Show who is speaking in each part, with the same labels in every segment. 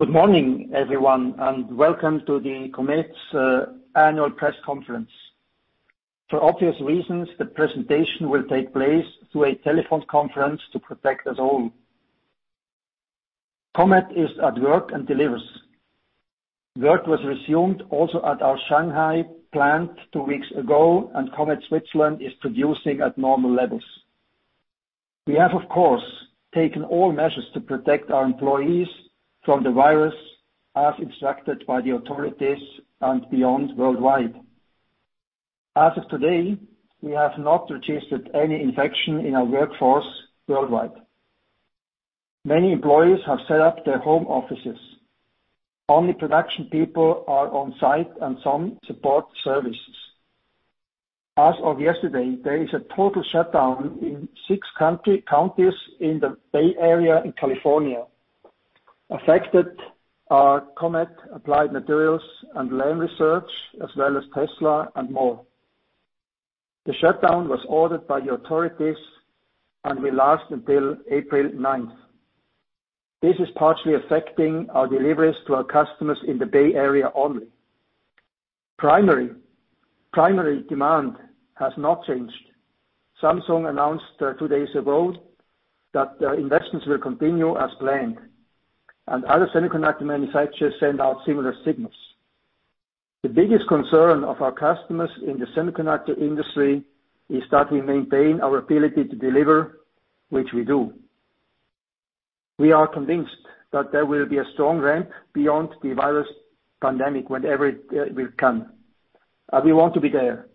Speaker 1: Good morning, everyone, and welcome to the Comet's annual press conference. For obvious reasons, the presentation will take place through a telephone conference to protect us all. Comet is at work and delivers. Work was resumed also at our Shanghai plant two weeks ago, and Comet Switzerland is producing at normal levels. We have, of course, taken all measures to protect our employees from the virus, as instructed by the authorities and beyond worldwide. As of today, we have not registered any infection in our workforce worldwide. Many employees have set up their home offices. Only production people are on-site and some support services. As of yesterday, there is a total shutdown in six counties in the Bay Area in California. Affected are Comet, Applied Materials and Lam Research, as well as Tesla and more. The shutdown was ordered by the authorities and will last until April 9th. This is partially affecting our deliveries to our customers in the Bay Area only. Primary demand has not changed. Samsung announced two days ago that their investments will continue as planned, and other semiconductor manufacturers send out similar signals. The biggest concern of our customers in the semiconductor industry is that we maintain our ability to deliver, which we do. We are convinced that there will be a strong ramp beyond the virus pandemic, whenever it will come. We want to be there.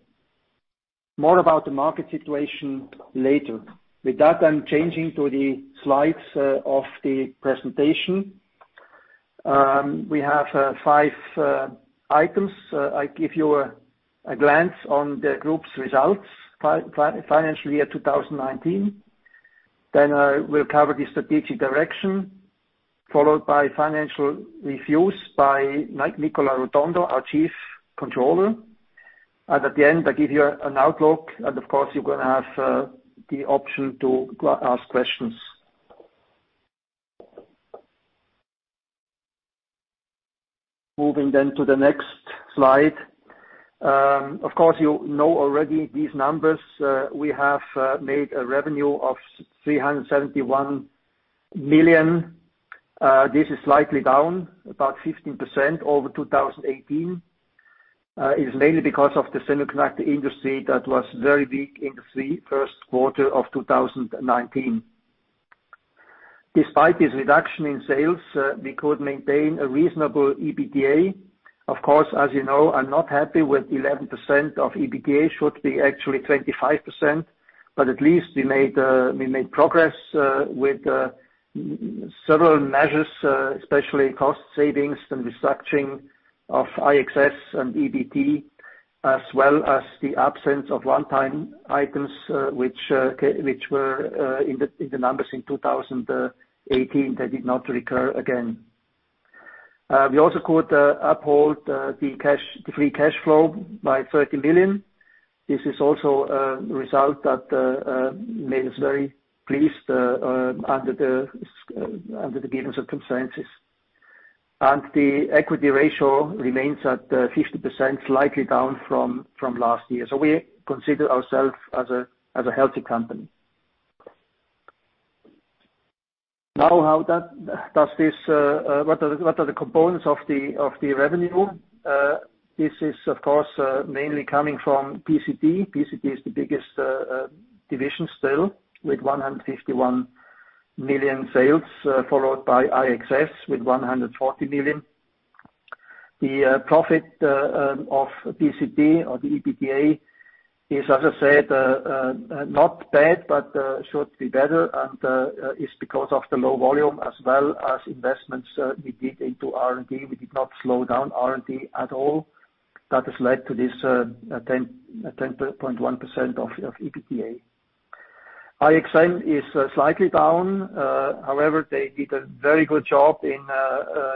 Speaker 1: More about the market situation later. With that, I'm changing to the slides of the presentation. We have five items. I give you a glance on the group's results, financial year 2019. I will cover the strategic direction, followed by financial reviews by Nicola Rotondo, our Chief Controller. At the end, I give you an outlook, and of course, you're going to have the option to ask questions. Moving to the next slide. Of course, you know already these numbers. We have made a revenue of 371 million. This is slightly down, about 15% over 2018. It's mainly because of the semiconductor industry that was very weak in the first quarter of 2019. Despite this reduction in sales, we could maintain a reasonable EBITDA. Of course, as you know, I'm not happy with 11% of EBITDA. Should be actually 25%, but at least we made progress with several measures, especially cost savings and restructuring of IXS and EBT, as well as the absence of one-time items, which were in the numbers in 2018 that did not recur again. We also could uphold the free cash flow by 30 million. This is also a result that made us very pleased under the given circumstances. The equity ratio remains at 50%, slightly down from last year. We consider ourselve as a healthy company. Now, what are the components of the revenue? This is of course, mainly coming from PCT. PCT is the biggest division still, with 151 million sales, followed by IXS with 140 million. The profit of PCT or the EBITDA is, as I said, not bad, but should be better, and is because of the low volume as well as investments we did into R&D. We did not slow down R&D at all. That has led to this 10.1% of EBITDA. IXM is slightly down. However, they did a very good job in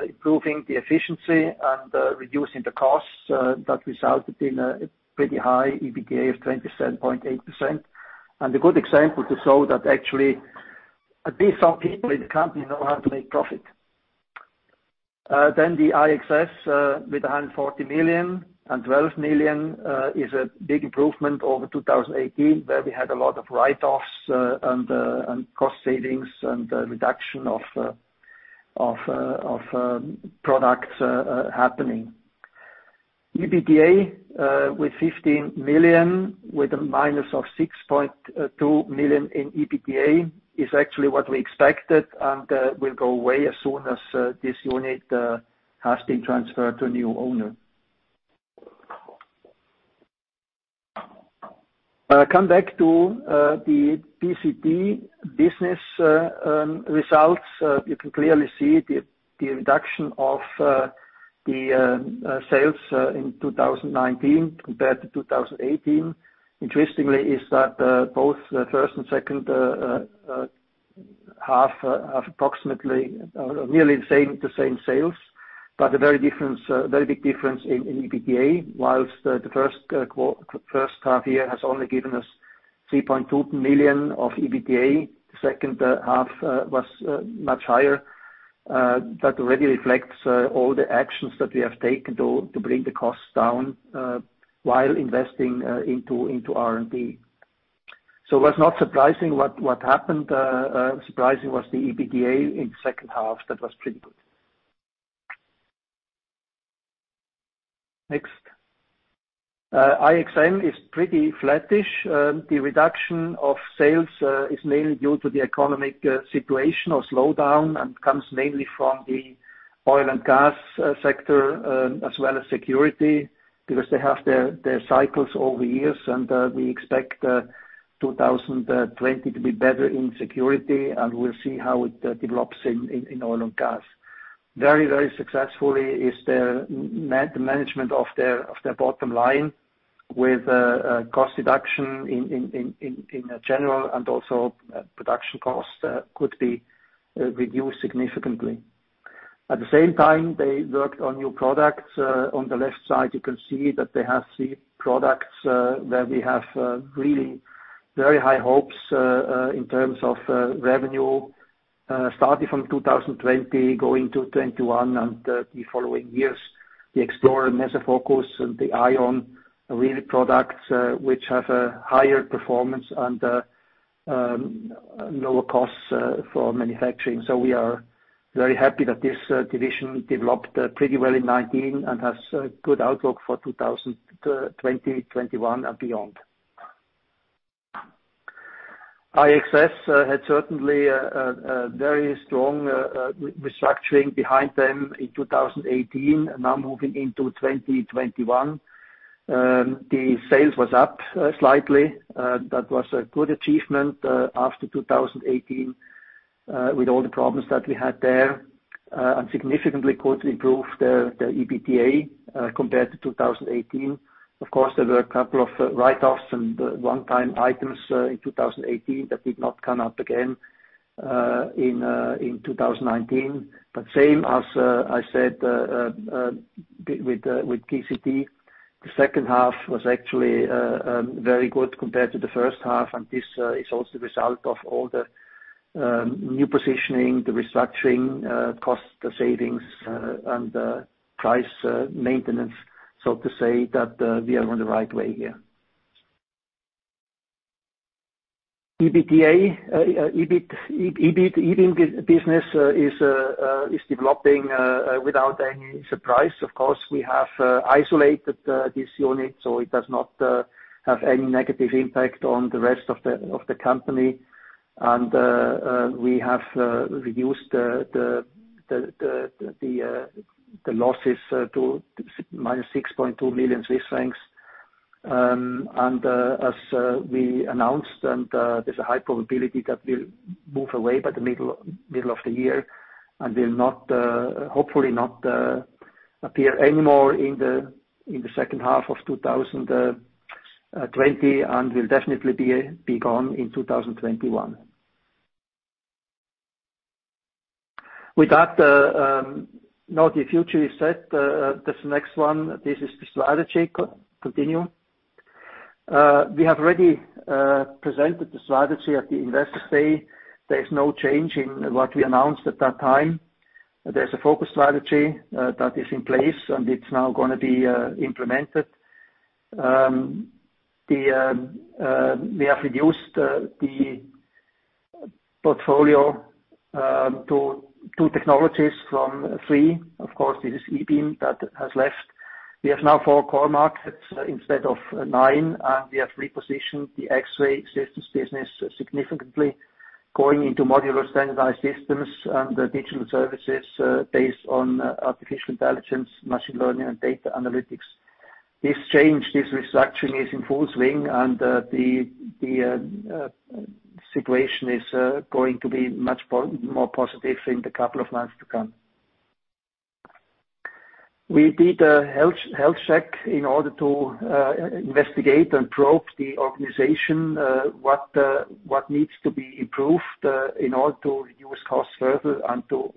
Speaker 1: improving the efficiency and reducing the costs that resulted in a pretty high EBITDA of 27.8%. A good example to show that actually, at least some people in the company know how to make profit. The IXS with 140 million, and 12 million is a big improvement over 2018, where we had a lot of write-offs and cost savings and reduction of products happening. EBITDA with 15 million with a minus of 6.2 million in EBITDA is actually what we expected and will go away as soon as this unit has been transferred to a new owner. Come back to the PCT business results. You can clearly see the reduction of the sales in 2019 compared to 2018. Interestingly is that both the first and second half have approximately nearly the same sales. A very big difference in EBITDA, whilst the first half year has only given us 3.2 million of EBITDA. The second half was much higher. That already reflects all the actions that we have taken to bring the costs down, while investing into R&D. It was not surprising what happened. Surprising was the EBITDA in second half, that was pretty good. Next. IXM is pretty flattish. The reduction of sales is mainly due to the economic situation or slowdown, and comes mainly from the oil and gas sector, as well as security, because they have their cycles over years. We expect 2020 to be better in security, and we'll see how it develops in oil and gas. Very successfully is the management of their bottom line with cost reduction in general, and also production costs could be reduced significantly. At the same time, they worked on new products. On the left side, you can see that they have three products, where we have really very high hopes in terms of revenue, starting from 2020 going to 2021 and the following years. The Xplorer MesoFocus and the ION products, which have a higher performance and lower costs for manufacturing. We are very happy that this division developed pretty well in 2019, and has a good outlook for 2020, 2021, and beyond. IXS had certainly a very strong restructuring behind them in 2018. Now moving into 2021, the sales was up slightly. That was a good achievement after 2018, with all the problems that we had there, and significantly could improve the EBITDA compared to 2018. Of course, there were a couple of write-offs and one-time items in 2018 that did not come up again in 2019. Same as I said with PCT, the second half was actually very good compared to the first half. This is also a result of all the new positioning, the restructuring cost savings, and price maintenance, so to say, that we are on the right way here. The ebeam business is developing without any surprise. Of course, we have isolated this unit, so it does not have any negative impact on the rest of the company. We have reduced the losses to -6.2 million Swiss francs. As we announced, and there's a high probability that we'll move away by the middle of the year, and will hopefully not appear anymore in the second half of 2020, and will definitely be gone in 2021. With that, now the future is set. This is the strategy. Continue. We have already presented the strategy at the Investors Day. There is no change in what we announced at that time. There's a focus strategy that is in place, and it's now going to be implemented. We have reduced the portfolio to two technologies from three. Of course, this is ebeam that has left. We have now four core markets instead of nine, and we have repositioned the X-Ray Systems business significantly, going into modular standardized systems and digital services based on artificial intelligence, machine learning, and data analytics. This change, this restructuring is in full swing and the situation is going to be much more positive in the couple of months to come. We did a health check in order to investigate and probe the organization, what needs to be improved in order to reduce costs further and to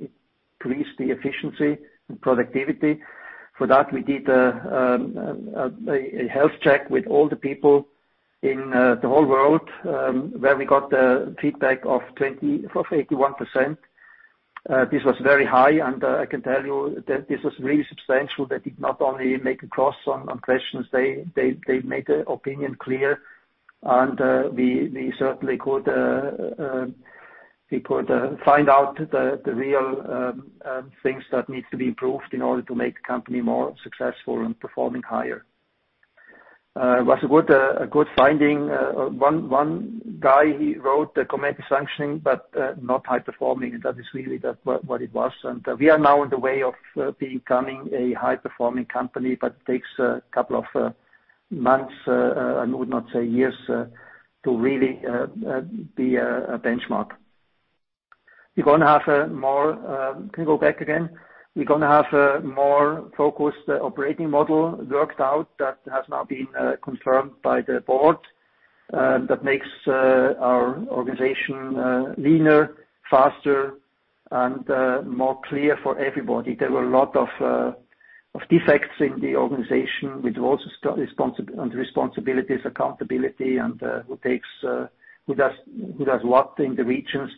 Speaker 1: increase the efficiency and productivity. For that, we did a health check with all the people in the whole world, where we got the feedback of 81%. This was very high, and I can tell you that this was really substantial. They did not only make a cross on questions, they made their opinion clear, and we certainly could find out the real things that needs to be improved in order to make the company more successful and performing higher. It was a good finding. One guy, he wrote, "Comet is functioning but not high-performing." That is really what it was. We are now in the way of becoming a high-performing company, but takes a couple of months, I would not say years, to really be a benchmark. Can we go back again? We're going to have a more focused operating model worked out that has now been confirmed by the board. That makes our organization leaner, faster, and more clear for everybody. There were a lot of defects in the organization with roles and responsibilities, accountability, and who does what in the regions.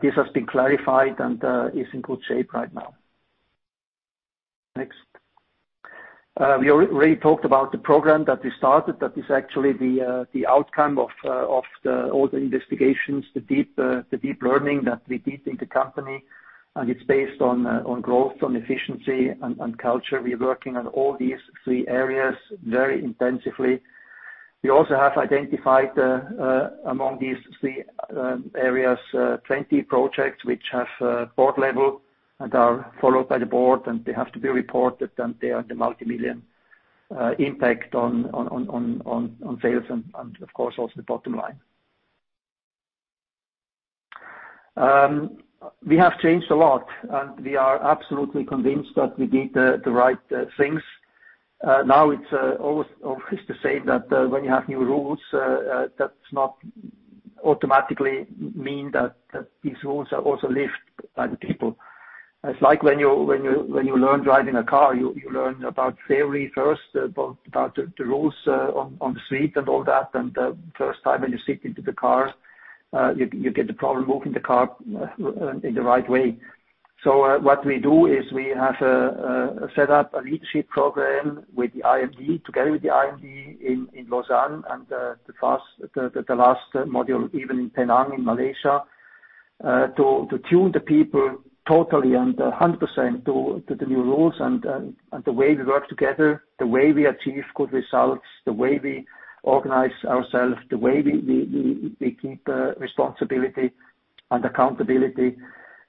Speaker 1: This has been clarified and is in good shape right now. Next. We already talked about the program that we started that is actually the outcome of all the investigations, the deep learning that we did in the company, and it's based on growth, on efficiency, and culture. We're working on all these three areas very intensively. We also have identified, among these three areas, 20 projects which have board level and are followed by the board, and they have to be reported, and they are the multimillion impact on sales and of course, also the bottom line. We have changed a lot, and we are absolutely convinced that we did the right things. Now it's obvious to say that when you have new rules, that's not automatically mean that these rules are also lived by the people. It's like when you learn driving a car, you learn about theory first, about the rules on the street and all that. The first time when you sit into the car, you get the problem moving the car in the right way. What we do is we have set up a leadership program with the IMD, together with the IMD in Lausanne and the last module even in Penang, in Malaysia, to tune the people totally and 100% to the new rules and the way we work together, the way we achieve good results, the way we organize ourselves, the way we keep responsibility and accountability.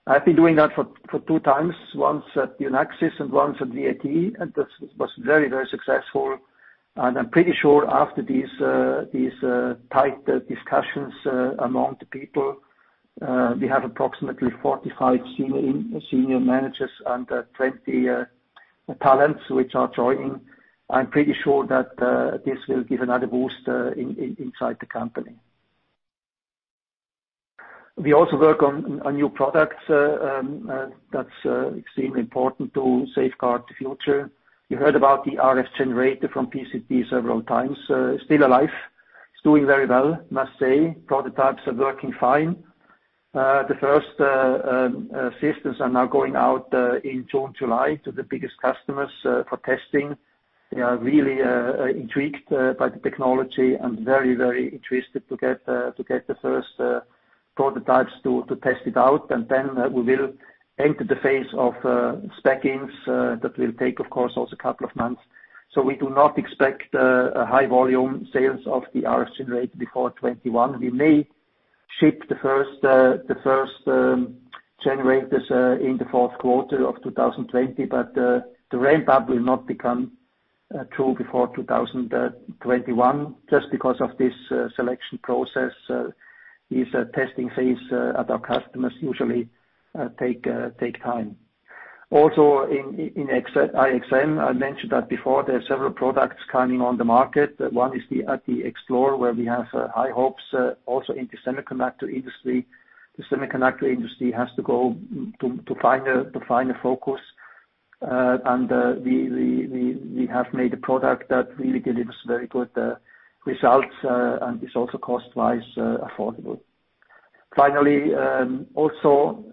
Speaker 1: I've been doing that for two times, once at Unaxis and once at VAT, that was very successful. I'm pretty sure after these tight discussions among the people, we have approximately 45 senior managers and 20 talents which are joining. I'm pretty sure that this will give another boost inside the company. We also work on new products. That's extremely important to safeguard the future. You heard about the RF generator from PCT several times. Still alive. It's doing very well, must say. Prototypes are working fine. The first systems are now going out in June, July to the biggest customers for testing. They are really intrigued by the technology and very interested to get the first prototypes to test it out. We will enter the phase of spec-ins. That will take, of course, also a couple of months. We do not expect a high volume sales of the RF generator before 2021. We may ship the first generators in the fourth quarter of 2020, the ramp-up will not become true before 2021 just because of this selection process. This testing phase at our customers usually take time. In IXM, I mentioned that before, there are several products coming on the market. One is the Xplorer, where we have high hopes also in the semiconductor industry. The semiconductor industry has to go to find a focus. We have made a product that really delivers very good results and is also cost-wise affordable. Finally, also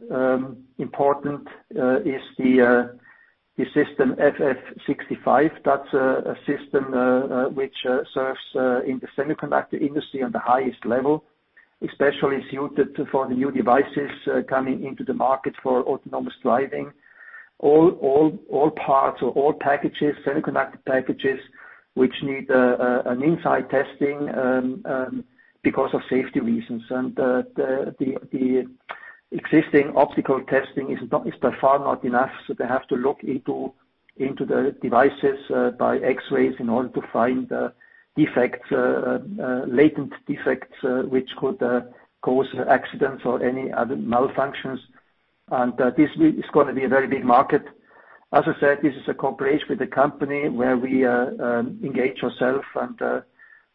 Speaker 1: important is the system FF65. That's a system which serves in the semiconductor industry on the highest level, especially suited for the new devices coming into the market for autonomous driving. All parts or all packages, semiconductor packages, which need an inside testing because of safety reasons. The existing optical testing is by far not enough, so they have to look into the devices by X-rays in order to find latent defects which could cause accidents or any other malfunctions. This is going to be a very big market. As I said, this is a cooperation with a company where we engage ourselves, and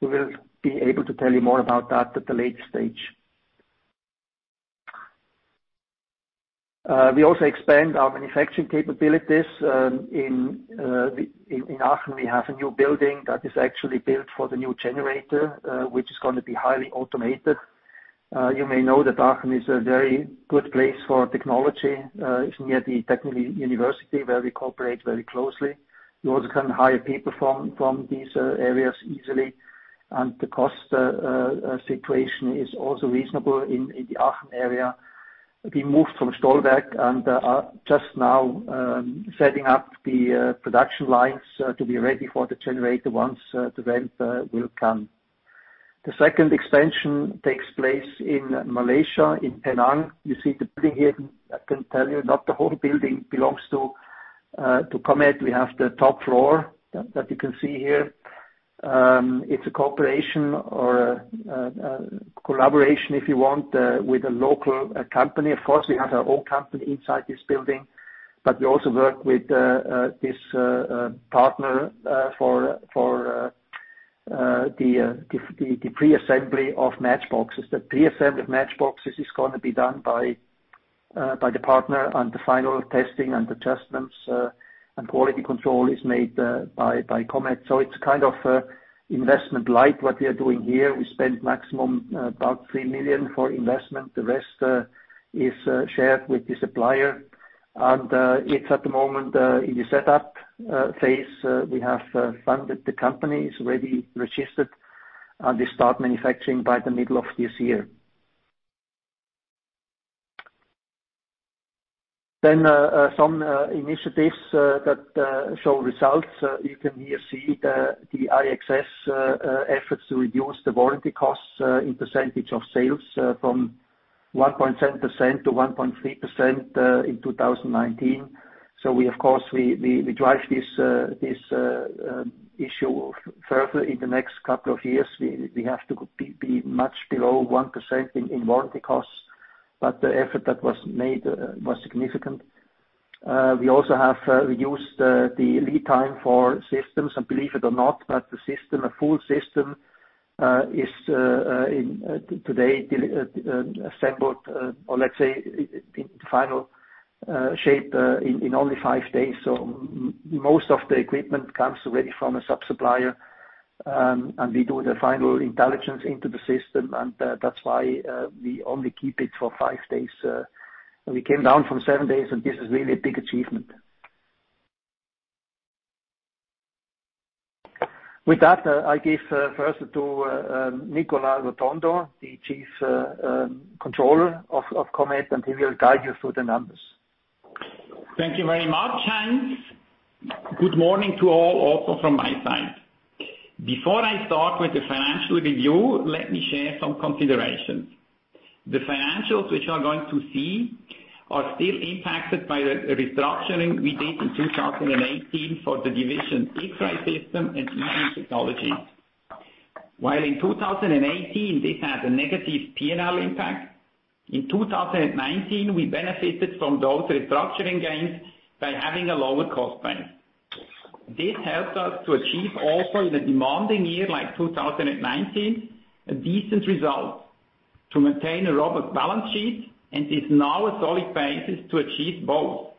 Speaker 1: we will be able to tell you more about that at the late stage. We also expand our manufacturing capabilities. In Aachen, we have a new building that is actually built for the new generator, which is going to be highly automated. You may know that Aachen is a very good place for technology. It's near the technical university where we cooperate very closely. We also can hire people from these areas easily. The cost situation is also reasonable in the Aachen area. We moved from Stolberg and are just now setting up the production lines to be ready for the generator once the ramp will come. The second expansion takes place in Malaysia, in Penang. You see the building here. I can tell you not the whole building belongs to Comet. We have the top floor that you can see here. It's a cooperation or a collaboration, if you want, with a local company. Of course, we have our own company inside this building. We also work with this partner for the pre-assembly of match boxes. The pre-assembled match boxes is going to be done by the partner, and the final testing and adjustments, and quality control is made by Comet. It's kind of investment light what we are doing here. We spend maximum about 3 million for investment. The rest is shared with the supplier. It's at the moment in the setup phase. We have funded, the company is already registered, and they start manufacturing by the middle of this year. Some initiatives that show results. You can here see the IXS efforts to reduce the warranty costs in percentage of sales from 1.7% to 1.3% in 2019. We, of course, drive this issue further in the next couple of years. We have to be much below 1% in warranty costs. The effort that was made was significant. We also have reduced the lead time for systems, and believe it or not, but the system, a full system, is, in today, assembled, or let's say, in final shape, in only five days. Most of the equipment comes already from a sub-supplier, and we do the final intelligence into the system, and that's why we only keep it for five days. We came down from seven days, and this is really a big achievement. With that, I give first to Nicola Rotondo, the Chief Controller of Comet, and he will guide you through the numbers.
Speaker 2: Thank you very much, Heinz. Good morning to all also from my side. Before I start with the financial review, let me share some considerations. The financials which you are going to see are still impacted by the restructuring we did in 2018 for the division X-Ray Systems and imaging technology. While in 2018, this had a negative P&L impact, in 2019, we benefited from those restructuring gains by having a lower cost bank. This helped us to achieve also in a demanding year like 2019, a decent result to maintain a robust balance sheet, and is now a solid basis to achieve both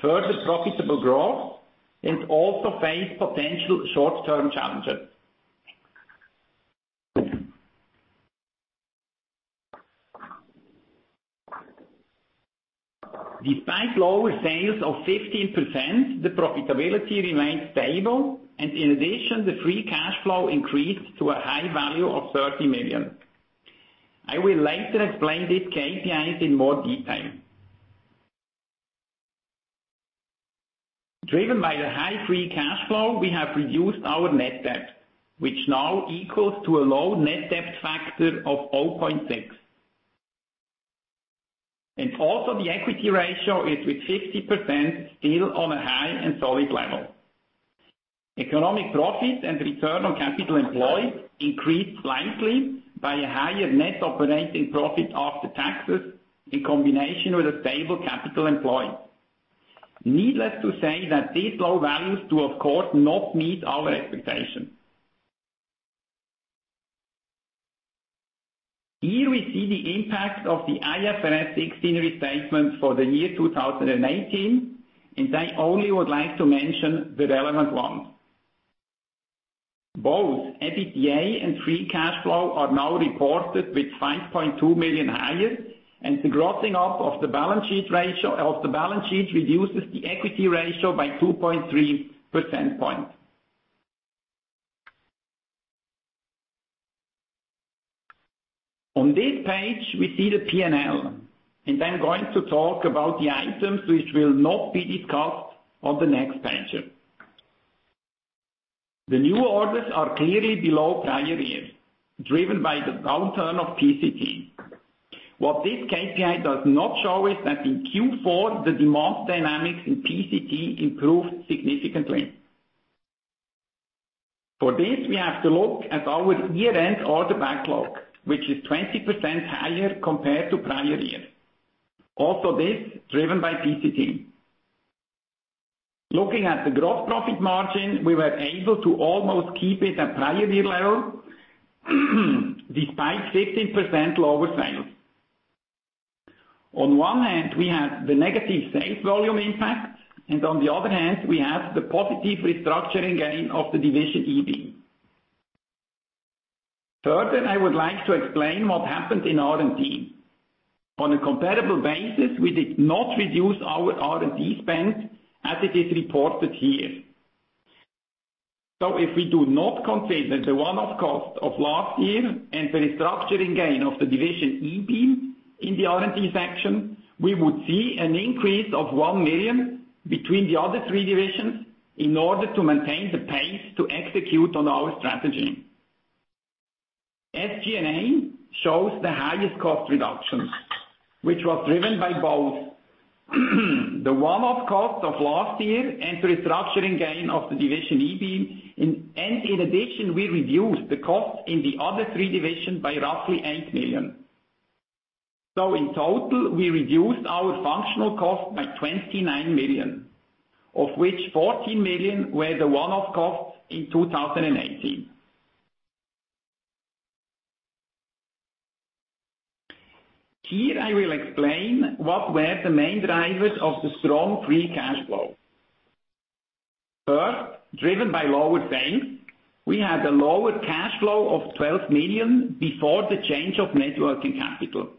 Speaker 2: further profitable growth and also face potential short-term challenges. Despite lower sales of 15%, the profitability remained stable, and in addition, the free cash flow increased to a high value of 30 million. I will later explain these KPIs in more detail. Driven by the high free cash flow, we have reduced our net debt, which now equals to a low net debt factor of 0.6. Also the equity ratio is with 50% still on a high and solid level. Economic profit and return on capital employed increased slightly by a higher net operating profit after taxes in combination with a stable capital employed. Needless to say that these low values do, of course, not meet our expectation. Here we see the impact of the IFRS 16 restatement for the year 2018. I only would like to mention the relevant ones. Both EBITDA and free cash flow are now reported with 5.2 million higher. The grossing up of the balance sheet reduces the equity ratio by 2.3%. On this page, we see the P&L, and I'm going to talk about the items which will not be discussed on the next page. The new orders are clearly below prior years, driven by the downturn of PCT. What this KPI does not show is that in Q4, the demand dynamics in PCT improved significantly. For this, we have to look at our year-end order backlog, which is 20% higher compared to prior years. Also this, driven by PCT. Looking at the gross profit margin, we were able to almost keep it at prior year level, despite 15% lower sales. On one hand, we have the negative sales volume impact, and on the other hand, we have the positive restructuring gain of the division ebeam. Further, I would like to explain what happened in R&D. A comparable basis, we did not reduce our R&D spend as it is reported here. If we do not consider the one-off cost of last year and the restructuring gain of the division ebeam in the R&D section, we would see an increase of 1 million between the other three divisions in order to maintain the pace to execute on our strategy. SG&A shows the highest cost reduction, which was driven by both the one-off cost of last year and restructuring gain of the division ebeam, in addition, we reduced the cost in the other three divisions by roughly 8 million. In total, we reduced our functional cost by 29 million, of which 14 million were the one-off costs in 2018. Here I will explain what were the main drivers of the strong free cash flow. First, driven by lower sales, we had a lower cash flow of 12 million before the change of net working capital.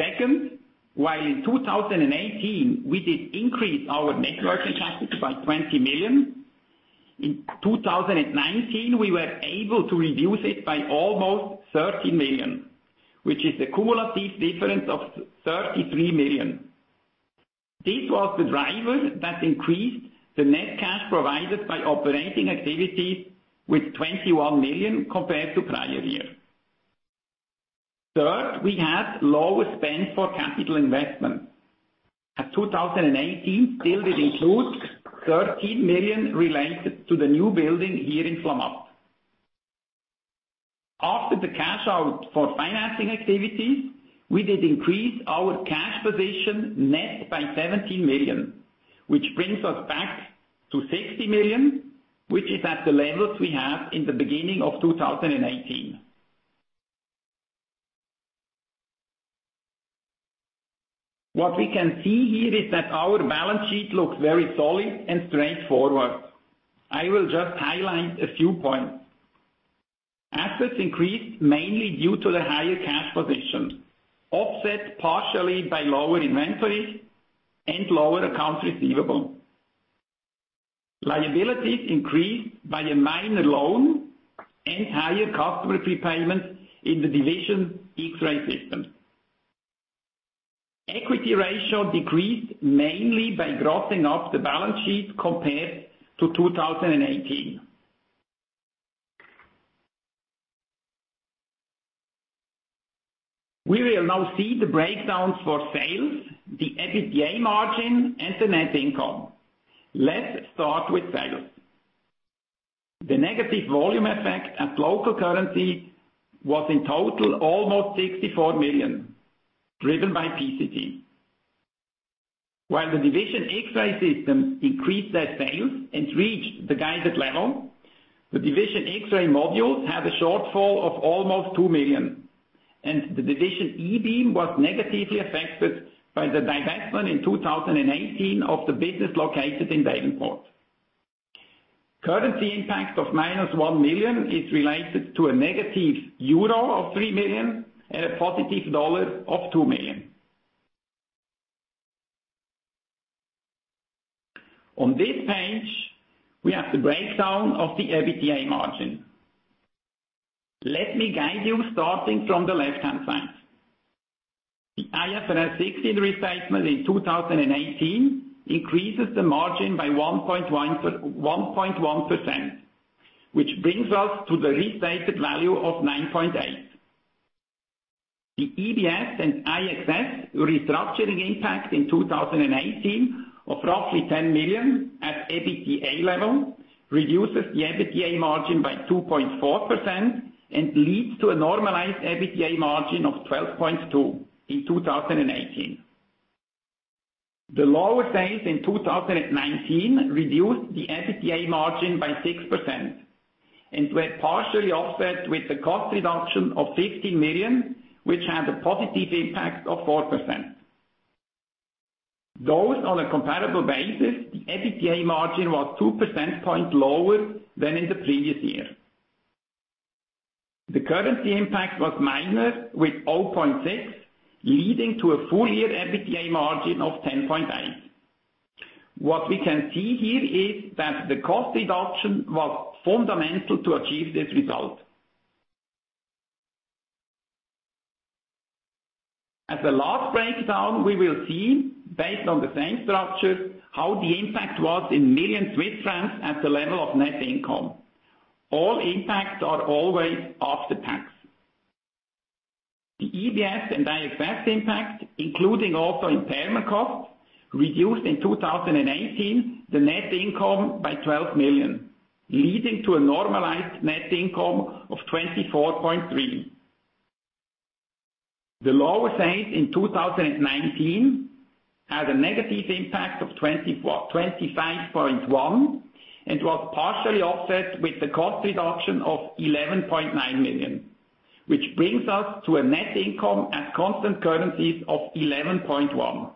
Speaker 2: Second, while in 2018 we did increase our net working capital by 20 million. In 2019, we were able to reduce it by almost 30 million, which is a cumulative difference of 33 million. This was the driver that increased the net cash provided by operating activities with 21 million compared to prior year. Third, we had lower spend for capital investment. 2018 still did include 13 million related to the new building here in Flamatt. After the cash out for financing activities, we did increase our cash position net by 17 million, which brings us back to 60 million, which is at the levels we had in the beginning of 2018. What we can see here is that our balance sheet looks very solid and straightforward. I will just highlight a few points. Assets increased mainly due to the higher cash position, offset partially by lower inventories and lower accounts receivable. Liabilities increased by a minor loan and higher customer prepayments in the division X-Ray Systems. Equity ratio decreased mainly by grossing up the balance sheet compared to 2018. We will now see the breakdowns for sales, the EBITDA margin, and the net income. Let's start with sales. The negative volume effect at local currency was in total almost 64 million, driven by PCT. While the division X-Ray Systems increased their sales and reached the guided level, the division X-Ray Modules had a shortfall of almost 2 million, and the division ebeam was negatively affected by the divestment in 2018 of the business located in Davenport. Currency impact of -$1 million is related to a negative 3 million euro and a positive $2 million. On this page, we have the breakdown of the EBITDA margin. Let me guide you starting from the left-hand side. The IFRS 16 restatement in 2018 increases the margin by 1.1%, which brings us to the restated value of 9.8%. The EBT and IXM restructuring impact in 2018 of roughly 10 million at EBITDA level reduces the EBITDA margin by 2.4% and leads to a normalized EBITDA margin of 12.2% in 2018. The lower sales in 2019 reduced the EBITDA margin by 6% and were partially offset with the cost reduction of 15 million, which had a positive impact of 4%. Those on a comparable basis, the EBITDA margin was two percentage point lower than in the previous year. The currency impact was minor with 0.6, leading to a full-year EBITDA margin of 10.8%. What we can see here is that the cost reduction was fundamental to achieve this result. As a last breakdown, we will see, based on the same structure, how the impact was in million Swiss francs at the level of net income. All impacts are always after tax. The EBT and IXM impact, including also impairment costs, reduced in 2018 the net income by 12 million, leading to a normalized net income of 24.3 million. The lower sales in 2019 had a negative impact of 25.1 million and was partially offset with the cost reduction of 11.9 million, which brings us to a net income at constant currencies of 11.1 million.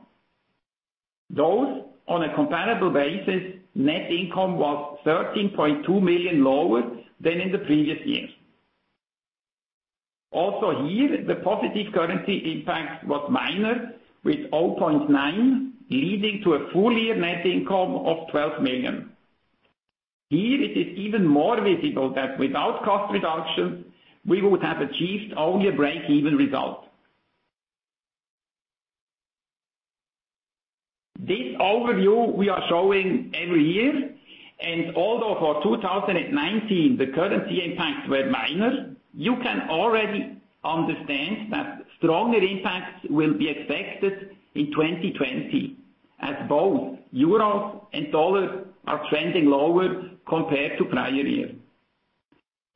Speaker 2: Those on a comparable basis, net income was 13.2 million lower than in the previous years. Here, the positive currency impact was minor with 0.9, leading to a full-year net income of 12 million. Here it is even more visible that without cost reduction, we would have achieved only a break-even result. This overview we are showing every year, although for 2019 the currency impacts were minor, you can already understand that stronger impacts will be expected in 2020. As both EUR and USD are trending lower compared to prior year.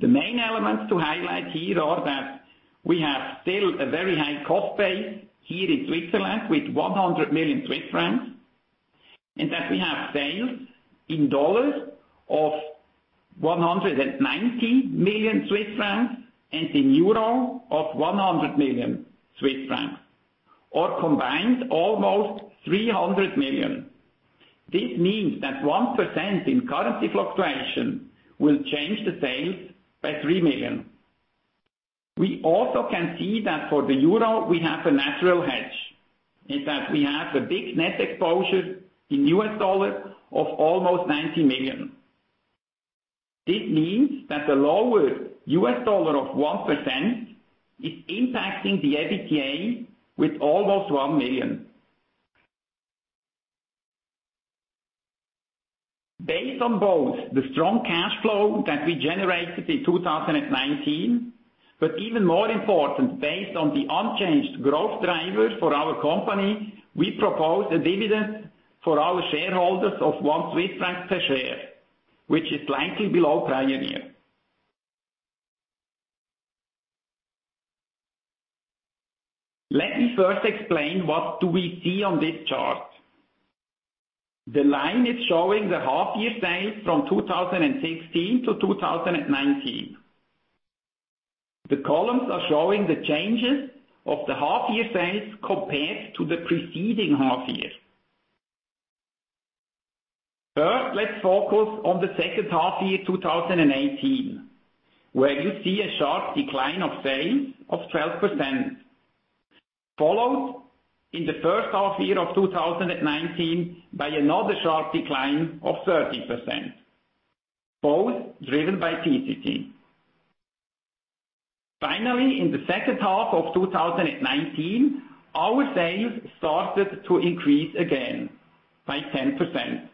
Speaker 2: The main elements to highlight here are that we have still a very high cost base here in Switzerland with 100 million Swiss francs, that we have sales in dollars of 190 million Swiss francs and in euro of 100 million Swiss francs, or combined, almost 300 million. This means that 1% in currency fluctuation will change the sales by 3 million. We also can see that for the EUR, we have a natural hedge, in that we have a big net exposure in USD of almost $90 million. This means that the lower US dollar of 1% is impacting the EBITDA with almost 1 million. Based on both the strong cash flow that we generated in 2019, but even more important, based on the unchanged growth drivers for our company, we propose a dividend for our shareholders of 1 Swiss franc per share, which is slightly below prior year. Let me first explain what do we see on this chart. The line is showing the half year sales from 2016-2019. The columns are showing the changes of the half year sales compared to the preceding half year. First, let's focus on the second half year 2018, where you see a sharp decline of sales of 12%, followed in the first half year of 2019 by another sharp decline of 30%, both driven by PCT. Finally, in the second half of 2019, our sales started to increase again by 10%.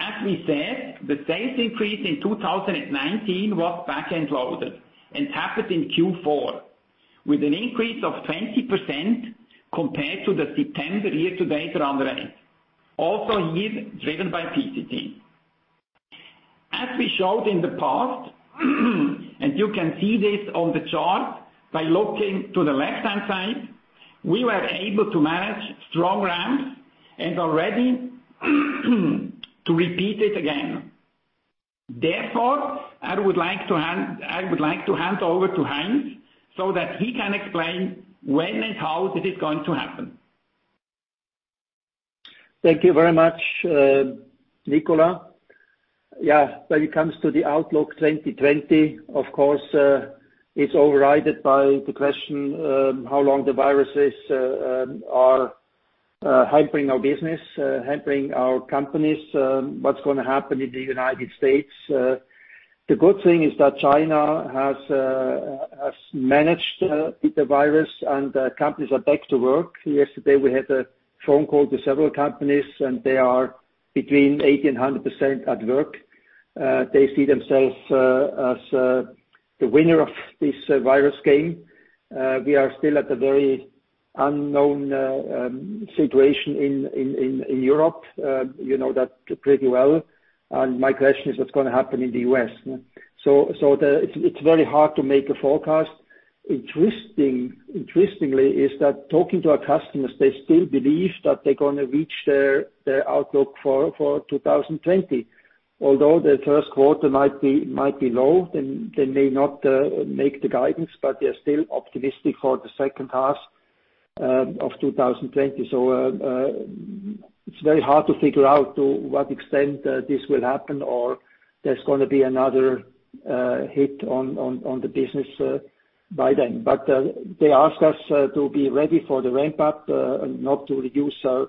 Speaker 2: As we said, the sales increase in 2019 was back-end loaded and happened in Q4, with an increase of 20% compared to the September year-to-date run rate, also here driven by PCT. As we showed in the past, and you can see this on the chart by looking to the left-hand side, we were able to manage strong ramps and are ready to repeat it again. I would like to hand over to Heinz so that he can explain when and how this is going to happen.
Speaker 1: Thank you very much, Nicola. Yeah, when it comes to the outlook 2020, of course, it's overrided by the question, how long the viruses are hampering our business, hampering our companies, what's going to happen in the United States. The good thing is that China has managed the virus, and companies are back to work. Yesterday, we had a phone call to several companies, and they are between 80% and 100% at work. They see themselves as the winner of this virus game. We are still at a very unknown situation in Europe. You know that pretty well. My question is, what's going to happen in the U.S.? It's very hard to make a forecast. Interestingly, is that talking to our customers, they still believe that they're going to reach their outlook for 2020. Although their first quarter might be low, they may not make the guidance, but they're still optimistic for the second half of 2020. It's very hard to figure out to what extent this will happen, or there's going to be another hit on the business by then. They ask us to be ready for the ramp-up, and not to reduce our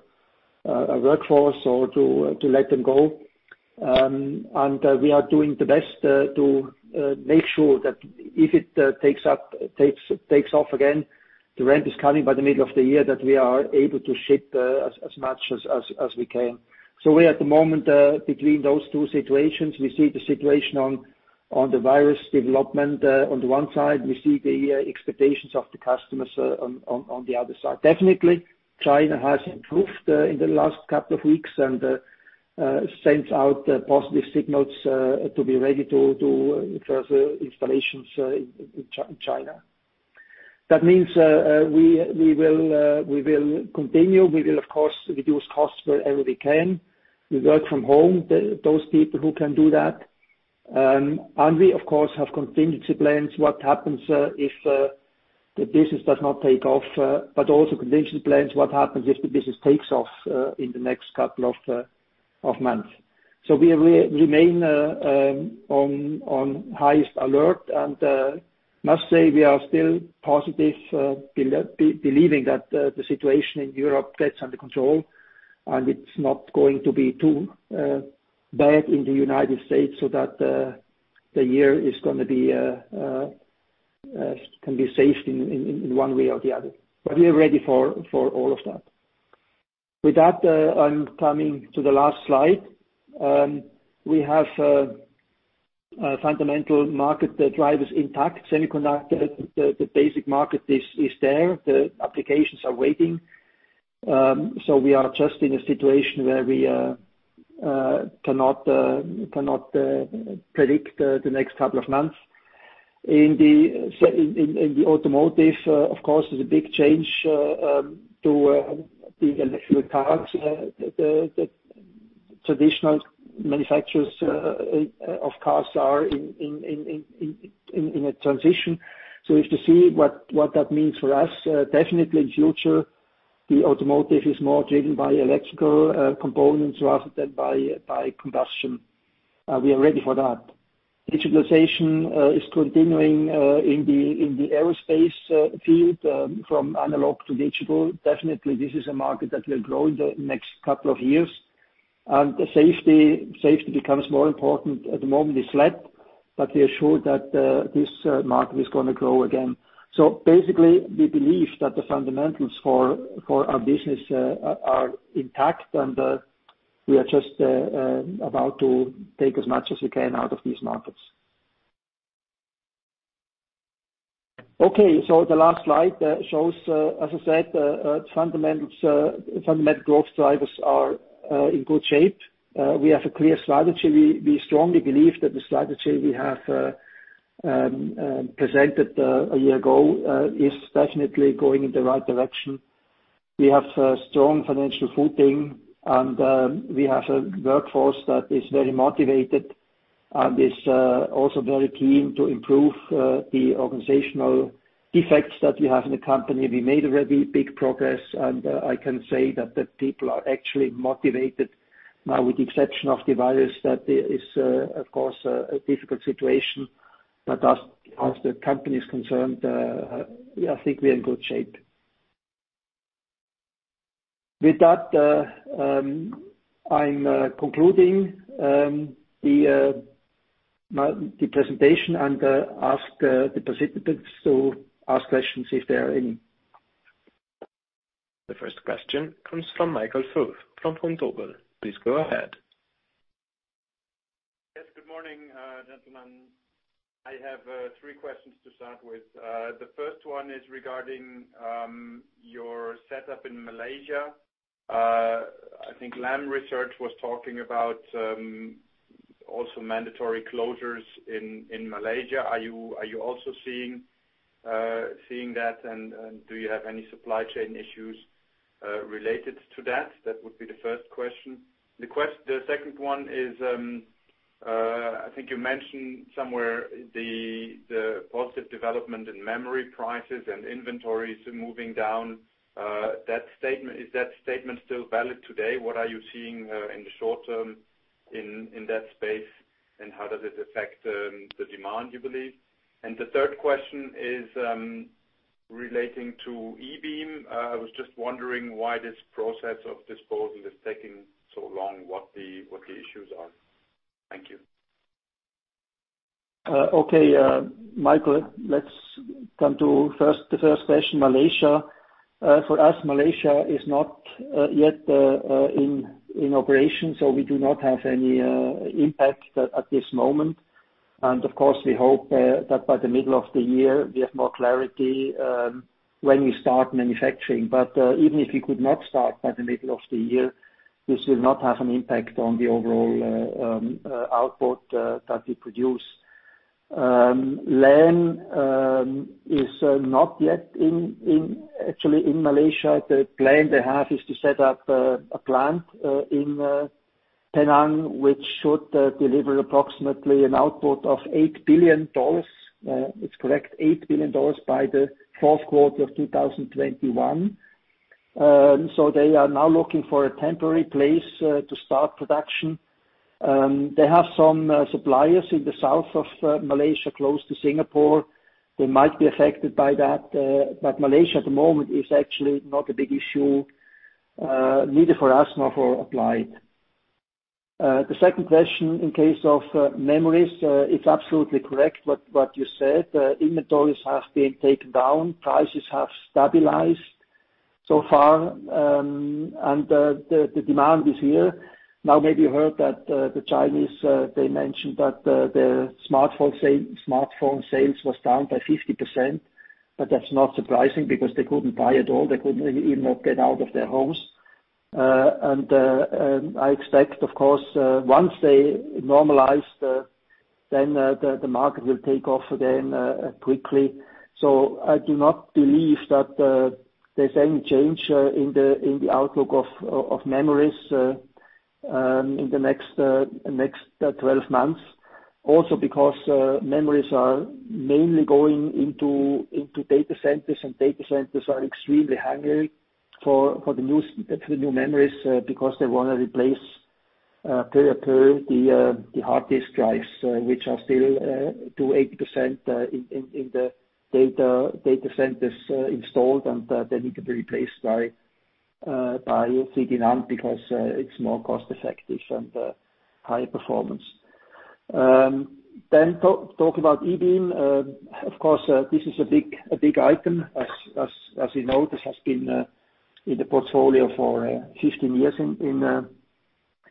Speaker 1: workforce or to let them go. We are doing the best to make sure that if it takes off again, the ramp is coming by the middle of the year, that we are able to ship as much as we can. We at the moment, between those two situations, we see the situation on the virus development on the one side, we see the expectations of the customers on the other side. Definitely, China has improved in the last couple of weeks and sends out positive signals to be ready to do further installations in China. That means we will continue. We will, of course, reduce costs wherever we can. We work from home, those people who can do that. We, of course, have contingency plans. What happens if the business does not take off? Also contingency plans, what happens if the business takes off in the next couple of months? We remain on highest alert and must say we are still positive, believing that the situation in Europe gets under control, and it's not going to be too bad in the United States, so that the year can be safe in one way or the other. We are ready for all of that. With that, I'm coming to the last slide. We have fundamental market drivers intact. Semiconductor, the basic market is there. The applications are waiting. We are just in a situation where we cannot predict the next couple of months. In the automotive, of course, there's a big change to the electric cars. The traditional manufacturers of cars are in a transition. We have to see what that means for us. Definitely in future, the automotive is more driven by electrical components rather than by combustion. We are ready for that. Digitalization is continuing in the aerospace field from analog to digital. Definitely, this is a market that will grow in the next couple of years. Safety becomes more important. At the moment it's flat, but we are sure that this market is going to grow again. Basically, we believe that the fundamentals for our business are intact, and we are just about to take as much as we can out of these markets. Okay, the last slide shows, as I said, fundamental growth drivers are in good shape. We have a clear strategy. We strongly believe that the strategy we have presented a year ago is definitely going in the right direction. We have a strong financial footing, and we have a workforce that is very motivated and is also very keen to improve the organizational defects that we have in the company. We made already big progress, and I can say that the people are actually motivated now with the exception of the virus, that is, of course, a difficult situation. As the company is concerned, I think we are in good shape. With that, I'm concluding the presentation and ask the participants to ask questions if there are any.
Speaker 3: The first question comes from Michael Foeth from Vontobel. Please go ahead.
Speaker 4: Yes, good morning, gentlemen. I have three questions to start with. The first one is regarding your setup in Malaysia. I think Lam Research was talking about also mandatory closures in Malaysia. Are you also seeing that, and do you have any supply chain issues related to that? That would be the first question. The second one is, I think you mentioned somewhere the positive development in memory prices and inventories moving down. Is that statement still valid today? What are you seeing in the short term in that space, and how does it affect the demand, you believe? The third question is relating to ebeam. I was just wondering why this process of disposal is taking so long, what the issues are. Thank you.
Speaker 1: Okay, Michael, let's come to the first question, Malaysia. For us, Malaysia is not yet in operation, so we do not have any impact at this moment. Of course, we hope that by the middle of the year, we have more clarity when we start manufacturing. Even if we could not start by the middle of the year, this will not have an impact on the overall output that we produce. Lam is not yet actually in Malaysia. The plan they have is to set up a plant in Penang, which should deliver approximately an output of $8 billion. If correct, $8 billion by the fourth quarter of 2021. They are now looking for a temporary place to start production. They have some suppliers in the south of Malaysia, close to Singapore. They might be affected by that. Malaysia at the moment is actually not a big issue, neither for us nor for Applied. The second question in case of memories, it's absolutely correct what you said. Inventories have been taken down. Prices have stabilized so far. The demand is here. Now, maybe you heard that the Chinese, they mentioned that their smartphone sales was down by 50%, that's not surprising because they couldn't buy at all. They could even not get out of their homes. I expect, of course, once they normalize, the market will take off again quickly. I do not believe that there's any change in the outlook of memories in the next 12 months. Also because memories are mainly going into data centers, and data centers are extremely hungry for the new memories because they want to replace the hard disk drives, which are still to 80% in the data centers installed. They need to be replaced by NAND because it's more cost effective and high performance. Talk about ebeam. Of course, this is a big item. As you know, this has been in the portfolio for 15 years in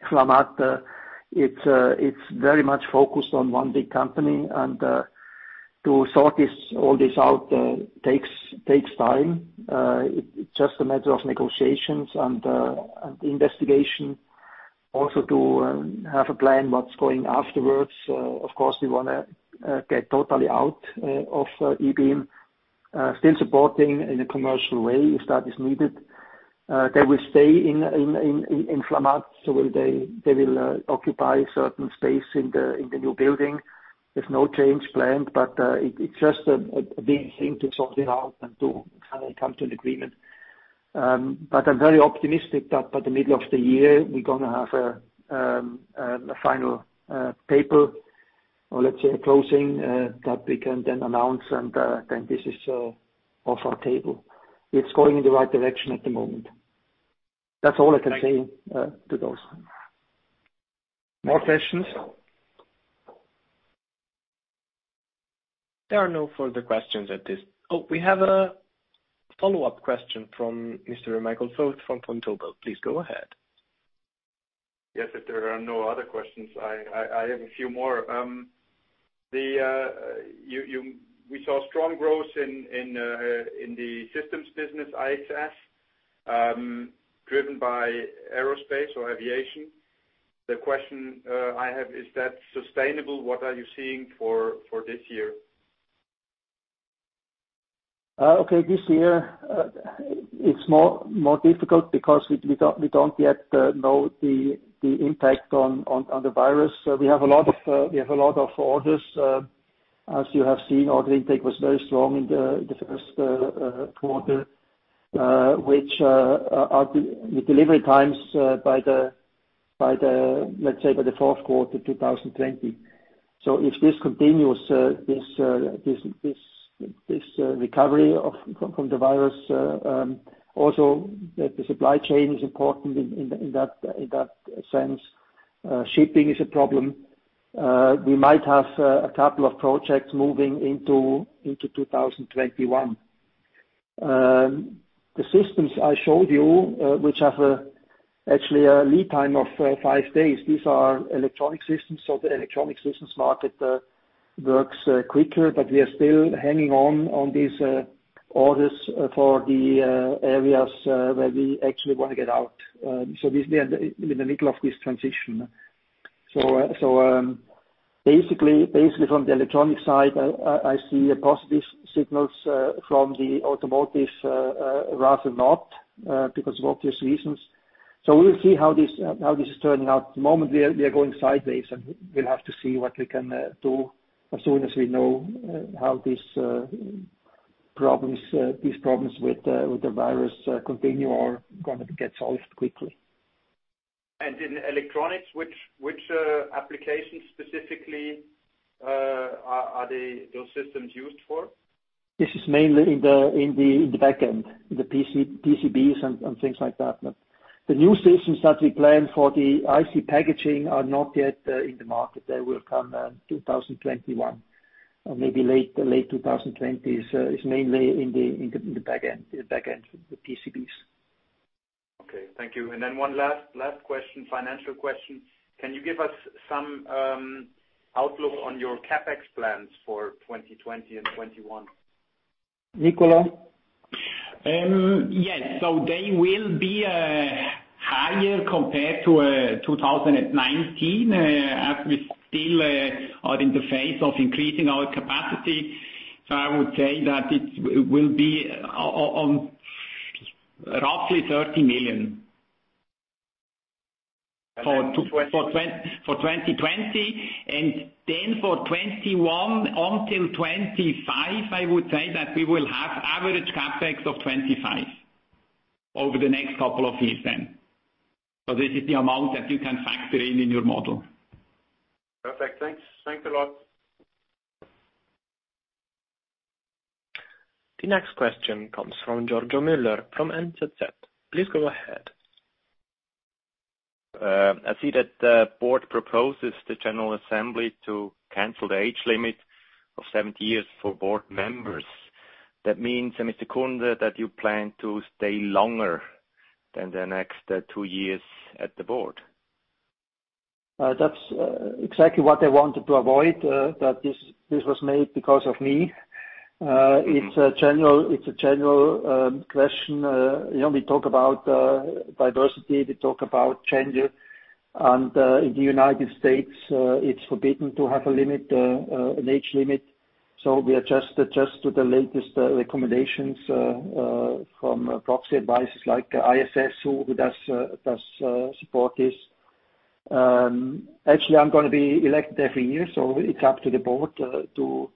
Speaker 1: Flamatt. It's very much focused on one big company, and to sort all this out takes time. It's just a matter of negotiations and investigation also to have a plan what's going afterwards. Of course, we want to get totally out of EBT, still supporting in a commercial way if that is needed. They will stay in Flamatt, so they will occupy a certain space in the new building. There's no change planned, but it's just a big thing to sort it out and to finally come to an agreement. I'm very optimistic that by the middle of the year, we're going to have a final paper or let's say, a closing, that we can then announce and then this is off our table. It's going in the right direction at the moment. That's all I can say to those. More questions?
Speaker 3: There are no further questions. Oh, we have a follow-up question from Mr. Michael Foeth from Vontobel. Please go ahead.
Speaker 4: Yes, if there are no other questions, I have a few more. We saw strong growth in the systems business, IXS, driven by aerospace or aviation. The question I have, is that sustainable? What are you seeing for this year?
Speaker 1: Okay. This year, it's more difficult because we don't yet know the impact on the virus. We have a lot of orders. As you have seen, order intake was very strong in the first quarter, which are the delivery times let's say by the fourth quarter 2020. If this continues, this recovery from the virus, also the supply chain is important in that sense. Shipping is a problem. We might have a couple of projects moving into 2021. The systems I showed you, which have actually a lead time of five days, these are electronic systems. The electronic systems market works quicker, but we are still hanging on these orders for the areas where we actually want to get out. We are in the middle of this transition. Basically, from the electronic side, I see positive signals from the automotive rather not, because of obvious reasons. We'll see how this is turning out. At the moment, we are going sideways, and we'll have to see what we can do as soon as we know how these problems with the virus continue or going to get solved quickly.
Speaker 4: In electronics, which applications specifically are those systems used for?
Speaker 1: This is mainly in the back end, the PCBs and things like that. The new systems that we plan for the IC packaging are not yet in the market. They will come 2021 or maybe late 2020, is mainly in the back end, the PCBs.
Speaker 4: Okay. Thank you. One last question, financial question. Can you give us some outlook on your CapEx plans for 2020 and '21?
Speaker 1: Nicola?
Speaker 2: Yes. They will be higher compared to 2019, as we still are in the phase of increasing our capacity. I would say that it will be on roughly CHF 30 million for 2020, and then for 2021 until 2025, I would say that we will have average CapEx of 25 over the next couple of years then. This is the amount that you can factor in in your model.
Speaker 4: Perfect. Thanks. Thanks a lot.
Speaker 3: The next question comes from Giorgio Müller from NZZ. Please go ahead.
Speaker 5: I see that the board proposes the general assembly to cancel the age limit of 70 years for board members. That means, Mr. Kundert, that you plan to stay longer than the next two years at the board.
Speaker 1: That's exactly what I wanted to avoid, that this was made because of me. It's a general question. We talk about diversity, we talk about change. In the United States, it's forbidden to have an age limit. We adjust to the latest recommendations from proxy advisors like ISS, who does support this. Actually, I'm going to be elected every year, so it's up to the board to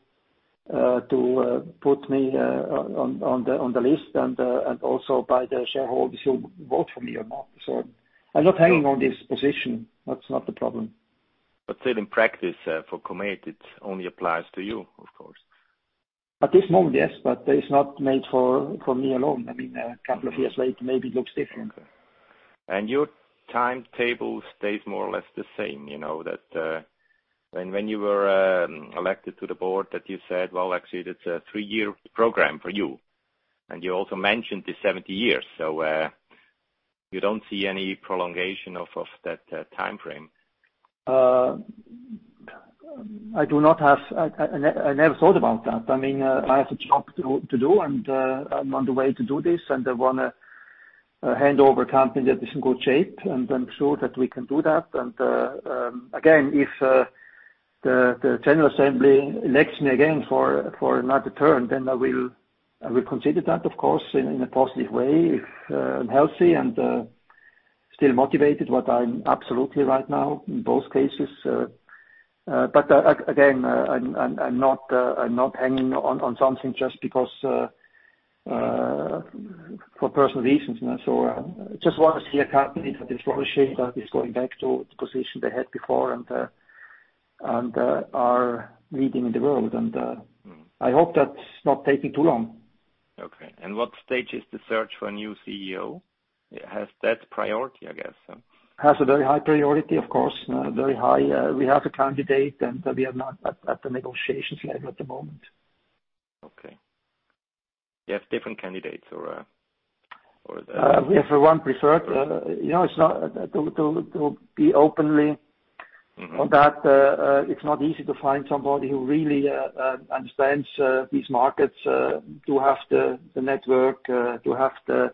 Speaker 1: put me on the list, and also by the shareholders who vote for me or not. I'm not hanging on this position. That's not the problem.
Speaker 5: still in practice for Comet, it only applies to you, of course.
Speaker 1: At this moment, yes. It's not made for me alone. A couple of years later, maybe it looks different.
Speaker 5: Your timetable stays more or less the same, that when you were elected to the board, that you said, well, actually, it's a three-year program for you, and you also mentioned the 70 years. You don't see any prolongation of that timeframe?
Speaker 1: I never thought about that. I have a job to do, and I'm on the way to do this, and I want to hand over a company that is in good shape, and I'm sure that we can do that. Again, if the general assembly elects me again for another term, then I will consider that, of course, in a positive way, if I'm healthy and still motivated, what I'm absolutely right now in both cases. Again, I'm not hanging on something just because for personal reasons. I just want to see a company that is in good shape, that is going back to the position they had before and are leading in the world. I hope that's not taking too long.
Speaker 5: Okay. What stage is the search for a new CEO? It has that priority, I guess.
Speaker 1: Has a very high priority, of course, very high. We have a candidate, and we are not at the negotiations level at the moment.
Speaker 5: Okay. You have different candidates or?
Speaker 1: We have one preferred. To be openly on that, it's not easy to find somebody who really understands these markets, to have the network, to have the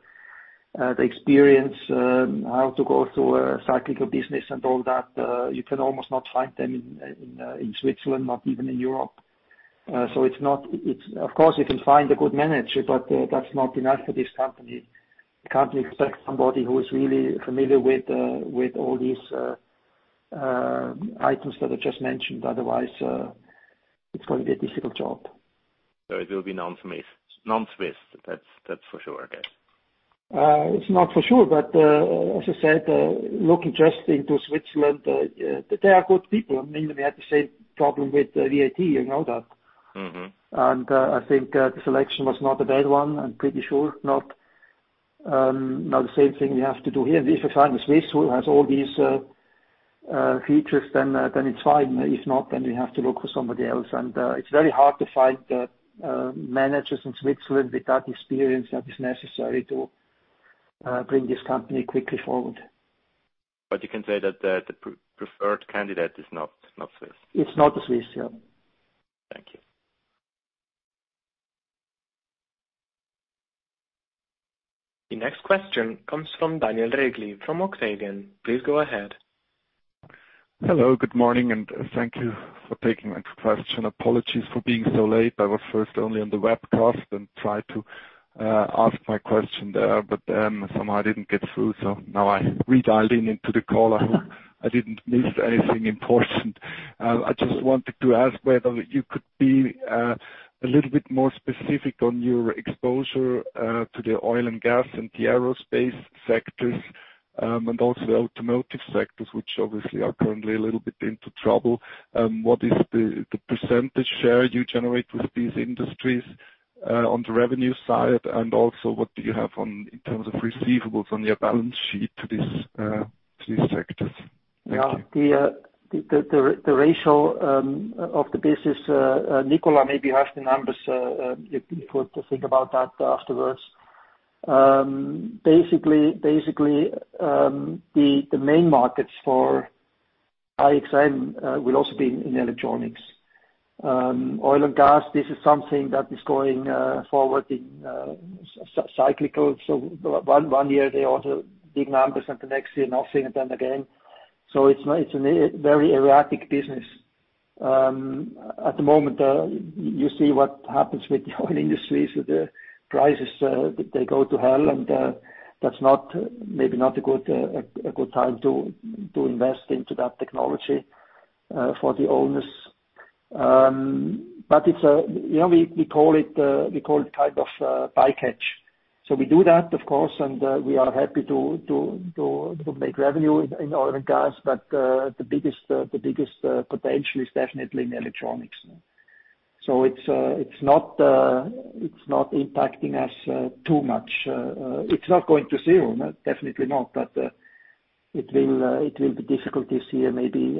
Speaker 1: experience how to go through a cyclical business and all that. You can almost not find them in Switzerland, not even in Europe. Of course, you can find a good manager, but that's not enough for this company. You can't expect somebody who is really familiar with all these items that I just mentioned. Otherwise, it's going to be a difficult job.
Speaker 5: It will be non-Swiss. That's for sure, I guess.
Speaker 1: It's not for sure, but as I said, looking just into Switzerland, there are good people. We had the same problem with VAT, you know that. I think the selection was not a bad one. I'm pretty sure not the same thing we have to do here. If we find a Swiss who has all these features, then it's fine. If not, then we have to look for somebody else. It's very hard to find managers in Switzerland with that experience that is necessary to bring this company quickly forward.
Speaker 5: You can say that the preferred candidate is not Swiss.
Speaker 1: It's not a Swiss, yeah.
Speaker 5: Thank you.
Speaker 3: The next question comes from Daniel Regli from Octavian. Please go ahead.
Speaker 6: Hello, good morning, and thank you for taking my question. Apologies for being so late. I was first only on the webcast and tried to ask my question there, but somehow I didn't get through. Now I redialed into the call. I hope I didn't miss anything important. I just wanted to ask whether you could be a little bit more specific on your exposure to the oil and gas and the aerospace sectors, and also the automotive sectors, which obviously are currently a little bit into trouble. What is the percentage share you generate with these industries on the revenue side? also what do you have in terms of receivables on your balance sheet to these sectors? Thank you.
Speaker 1: The ratio of the business, Nicola maybe has the numbers if you want to think about that afterwards. Basically, the main markets for IXM will also be in electronics. Oil and gas, this is something that is going forward in cyclical. one year they order big numbers and the next year nothing, and then again. it's a very erratic business. At the moment, you see what happens with the oil industry, with the prices, they go to hell, and that's maybe not a good time to invest into that technology for the owners. We call it a bycatch. we do that, of course, and we are happy to make revenue in oil and gas. the biggest potential is definitely in electronics. it's not impacting us too much. It's not going to zero, definitely not, but it will be difficult this year maybe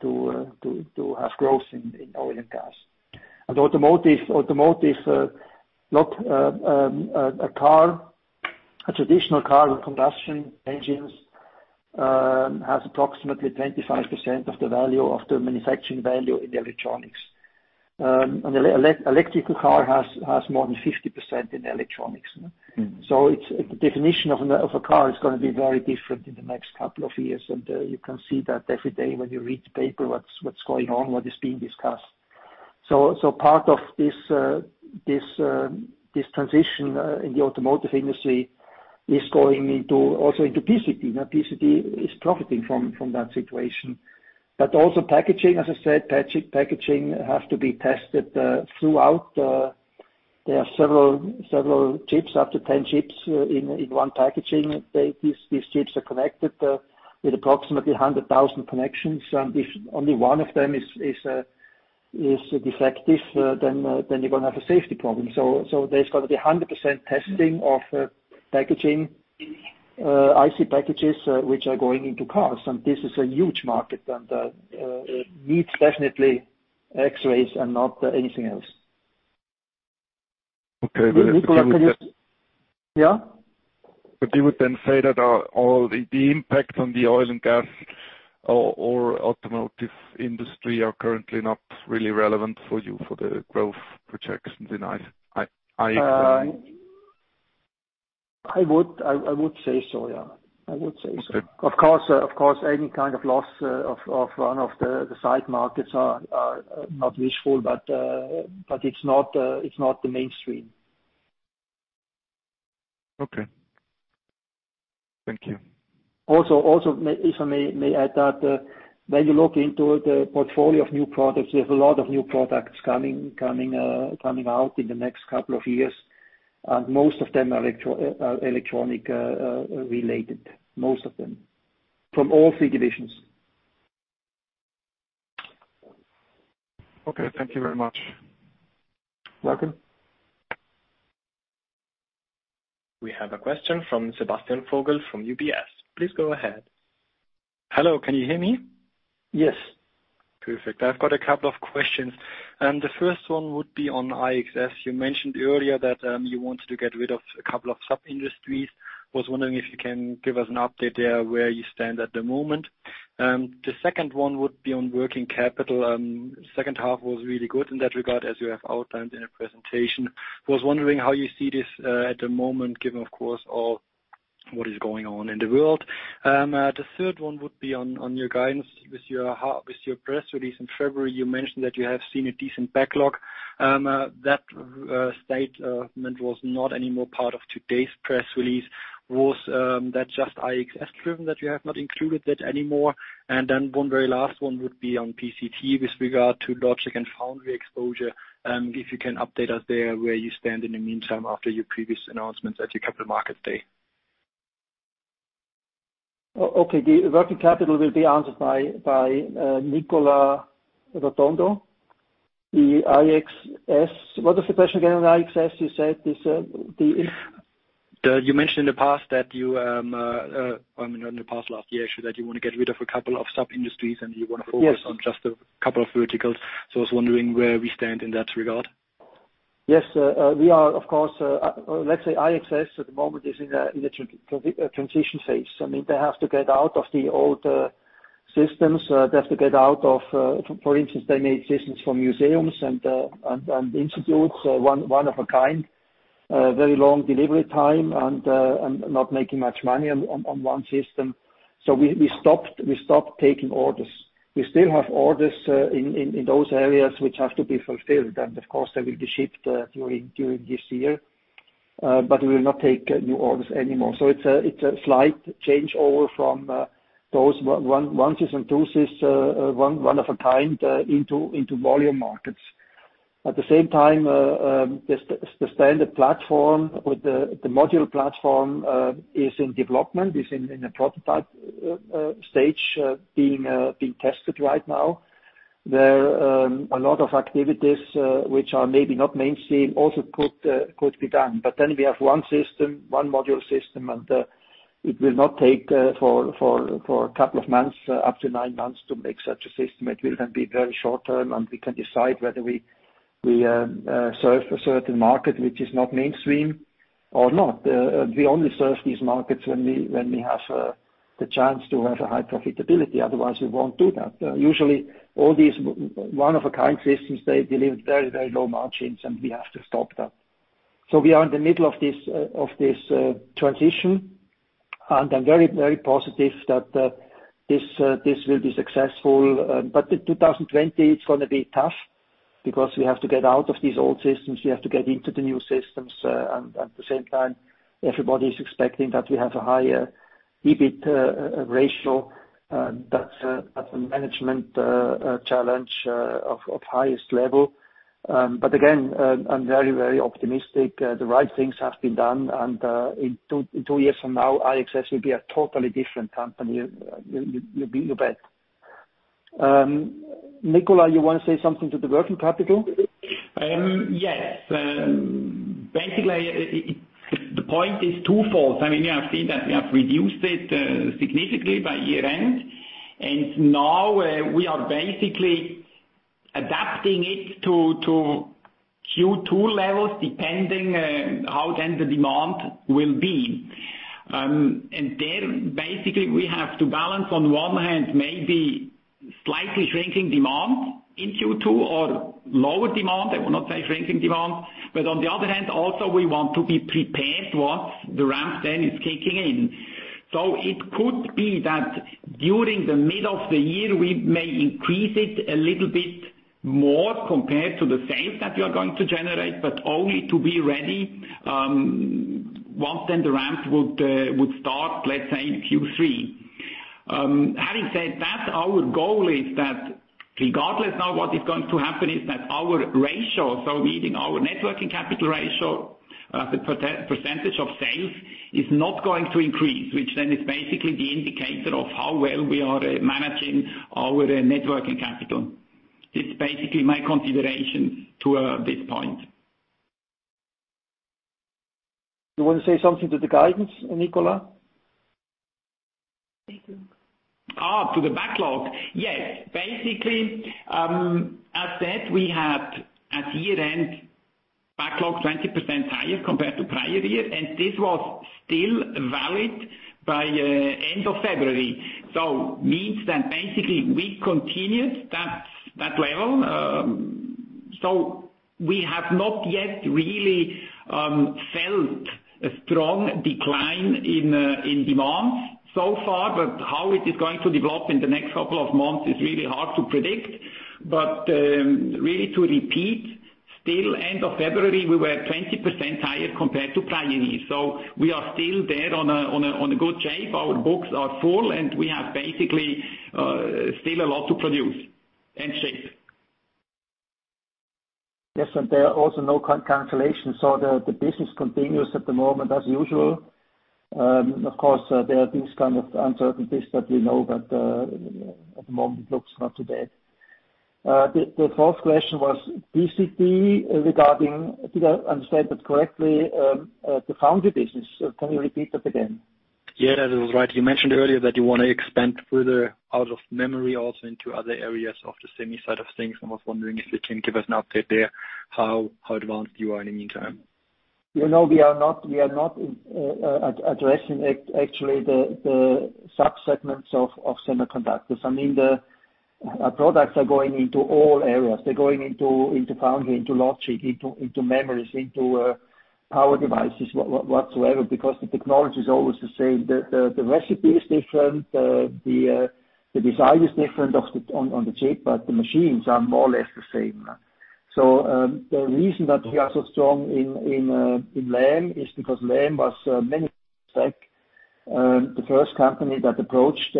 Speaker 1: to have growth in oil and gas. Automotive, a traditional car with combustion engines, has approximately 25% of the value of the manufacturing value in the electronics. An electrical car has more than 50% in electronics. The definition of a car is going to be very different in the next couple of years, and you can see that every day when you read the paper, what's going on, what is being discussed. Part of this transition in the automotive industry is going also into PCB. Now PCB is profiting from that situation. Also packaging, as I said, packaging have to be tested throughout. There are several chips, up to 10 chips in one packaging. These chips are connected with approximately 100,000 connections, and if only one of them is defective, then you're going to have a safety problem. There's got to be 100% testing of IC packages, which are going into cars. This is a huge market, and needs definitely X-rays and not anything else.
Speaker 6: Okay. if you could just-
Speaker 1: Yeah?
Speaker 6: You would then say that all the impact on the oil and gas or automotive industry are currently not really relevant for you for the growth projections in IX-
Speaker 1: I would say so, yeah.
Speaker 6: Okay.
Speaker 1: Of course, any kind of loss of one of the side markets are not wishful, but it's not the mainstream.
Speaker 6: Okay. Thank you.
Speaker 1: Also, if I may add that, when you look into the portfolio of new products, we have a lot of new products coming out in the next couple of years, and most of them are electronic related. Most of them. From all three divisions.
Speaker 6: Okay. Thank you very much.
Speaker 1: Welcome.
Speaker 3: We have a question from Sebastian Vogel from UBS. Please go ahead.
Speaker 7: Hello, can you hear me?
Speaker 1: Yes.
Speaker 7: Perfect. I've got a couple of questions. The first one would be on IXS. You mentioned earlier that you wanted to get rid of a couple of sub-industries. Was wondering if you can give us an update there, where you stand at the moment. The second one would be on working capital. Second half was really good in that regard, as you have outlined in the presentation. Was wondering how you see this, at the moment given, of course, all what is going on in the world. The third one would be on your guidance with your press release in February. You mentioned that you have seen a decent backlog. That statement was not anymore part of today's press release. Was that just IXS-driven that you have not included that anymore? One very last one would be on PCT with regard to logic and foundry exposure, if you can update us there where you stand in the meantime after your previous announcements at your capital market day.
Speaker 1: Okay. The working capital will be answered by Nicola Rotondo. The IXS, what was the question again on IXS? You said the-
Speaker 7: You mentioned in the past last year, that you want to get rid of a couple of sub-industries, and you want to focus-
Speaker 1: Yes.
Speaker 7: On just a couple of verticals. I was wondering where we stand in that regard.
Speaker 1: Yes. We are, of course, let's say IXS at the moment is in a transition phase. They have to get out of the old systems. They have to get out of, for instance, they made systems for museums and institutes, one of a kind. Very long delivery time and not making much money on one system. We stopped taking orders. We still have orders in those areas which have to be fulfilled. Of course, they will be shipped during this year. We will not take new orders anymore. It's a slight change over from those one, two system, one of a kind, into volume markets. At the same time, the standard platform with the module platform is in development, is in the prototype stage being tested right now. There are a lot of activities, which are maybe not mainstream, also could be done. We have one system, one module system, and it will not take for a couple of months up to nine months to make such a system. It will then be very short-term, and we can decide whether we serve a certain market which is not mainstream or not. We only serve these markets when we have the chance to have a high profitability. Otherwise, we won't do that. Usually all these one-of-a-kind systems, they deliver very, very low margins, and we have to stop that. We are in the middle of this transition, and I'm very, very positive that this will be successful. In 2020, it's going to be tough because we have to get out of these old systems. We have to get into the new systems. At the same time, everybody's expecting that we have a higher EBITDA ratio. That's a management challenge of highest level. Again, I'm very, very optimistic. The right things have been done. In two years from now, IXS will be a totally different company. You bet. Nicola, you want to say something to the working capital?
Speaker 2: Yes. Basically, the point is twofold. You have seen that we have reduced it significantly by year-end, and now we are basically adapting it to Q2 levels, depending how then the demand will be. There, basically, we have to balance on one hand, maybe slightly shrinking demand in Q2 or lower demand. I will not say shrinking demand. On the other hand, also we want to be prepared once the ramp then is kicking in. It could be that during the middle of the year, we may increase it a little bit more compared to the sales that we are going to generate, but only to be ready, once then the ramp would start, let's say in Q3. Having said that, our goal is that regardless now what is going to happen is that our ratio, so meaning our net working capital ratio as a percentage of sales is not going to increase, which then is basically the indicator of how well we are managing our net working capital. This is basically my consideration to this point.
Speaker 1: You want to say something to the guidance, Nicola?
Speaker 2: To the backlog. Yes. Basically, as said, we had, at year-end, backlog 20% higher compared to prior year, and this was still valid by end of February. Means that basically we continued that level. We have not yet really felt a strong decline in demand so far, but how it is going to develop in the next couple of months is really hard to predict. Really to repeat, still end of February, we were 20% higher compared to prior year. We are still there on a good shape. Our books are full, and we have basically still a lot to produce and ship.
Speaker 1: Yes, there are also no cancellations. The business continues at the moment as usual. Of course, there are these kinds of uncertainties that we know, but at the moment, it looks not too bad. The fourth question was PCT regarding, did I understand that correctly, the foundry business. Can you repeat that again?
Speaker 7: Yeah, that is right. You mentioned earlier that you want to expand further out of memory, also into other areas of the semi side of things. I was wondering if you can give us an update there, how advanced you are in the meantime.
Speaker 1: We are not addressing actually the sub-segments of semiconductors. Our products are going into all areas. They're going into foundry, into logic, into memories, into power devices, whatsoever, because the technology is always the same. The recipe is different, the design is different on the chip, but the machines are more or less the same. The reason that we are so strong in Lam is because Lam was mainly, like the first company that approached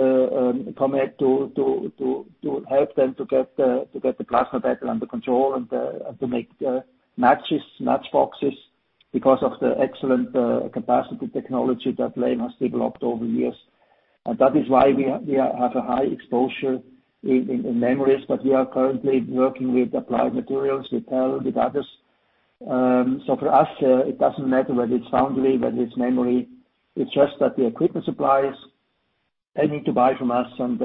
Speaker 1: Comet to help them to get the plasma better under control and to make matchboxes, because of the excellent capacity technology that Lam has developed over years. That is why we have a high exposure in memories, but we are currently working with Applied Materials, with Intel, with others. For us, it doesn't matter whether it's foundry, whether it's memory. It's just that the equipment suppliers, they need to buy from us, and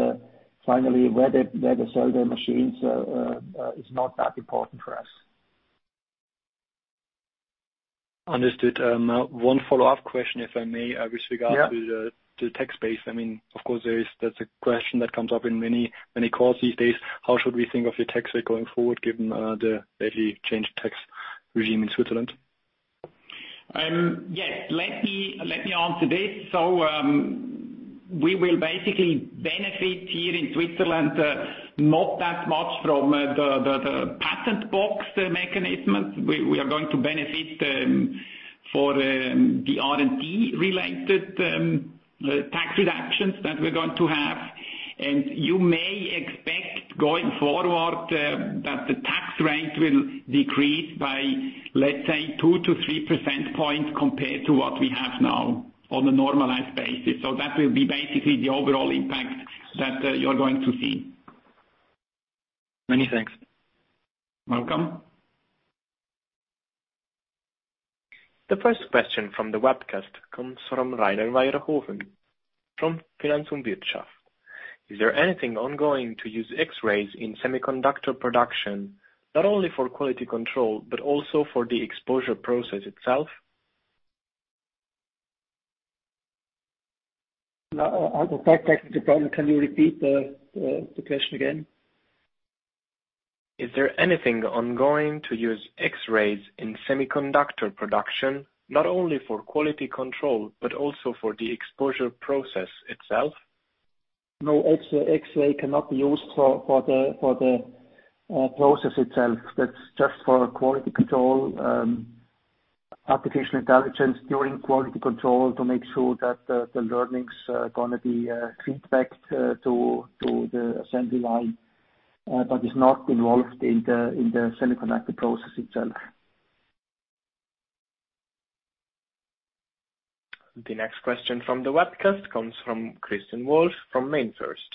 Speaker 1: finally, where they sell their machines is not that important for us.
Speaker 7: Understood. One follow-up question, if I may, with regard-
Speaker 1: Yeah.
Speaker 7: To the tax base. That's a question that comes up in many calls these days. How should we think of your tax rate going forward given the lately changed tax regime in Switzerland?
Speaker 2: Yes. Let me answer this. We will basically benefit here in Switzerland, not that much from the patent box mechanism. We are going to benefit for the R&D-related tax reductions that we're going to have. You may expect going forward, that the tax rate will decrease by, let's say, 2%-3% points compared to what we have now on a normalized basis. That will be basically the overall impact that you're going to see.
Speaker 7: Many thanks.
Speaker 2: Welcome.
Speaker 3: The first question from the webcast comes from Rainer Weihofen, from Finanz und Wirtschaft. Is there anything ongoing to use X-rays in semiconductor production, not only for quality control, but also for the exposure process itself?
Speaker 1: I'm so far back with the problem. Can you repeat the question again?
Speaker 3: Is there anything ongoing to use X-rays in semiconductor production, not only for quality control, but also for the exposure process itself?
Speaker 1: No, X-ray cannot be used for the process itself. That's just for quality control, artificial intelligence during quality control to make sure that the learnings are going to be feedbacked to the assembly line. it's not involved in the semiconductor process itself.
Speaker 3: The next question from the webcast comes from Christian Wolf from MainFirst.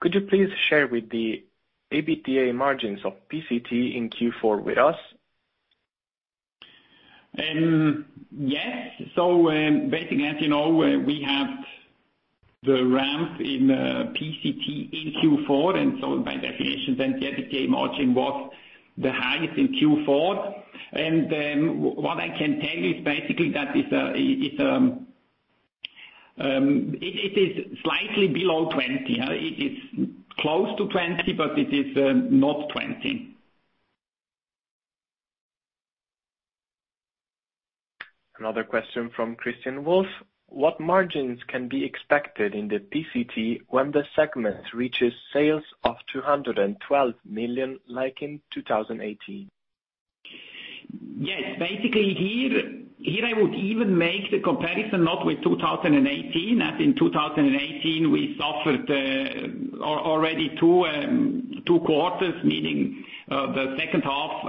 Speaker 3: Could you please share with the EBITDA margins of PCT in Q4 with us?
Speaker 2: Yes. Basically, as you know, we have the ramp in PCT in Q4, and so by definition then EBITDA margin was the highest in Q4. What I can tell you is basically that it is slightly below 20. It is close to 20, but it is not 20.
Speaker 3: Another question from Christian Wolf. What margins can be expected in the PCT when the segment reaches sales of 212 million like in 2018?
Speaker 2: Yes. Basically here I would even make the comparison not with 2018, as in 2018 we suffered already two quarters, meaning the second half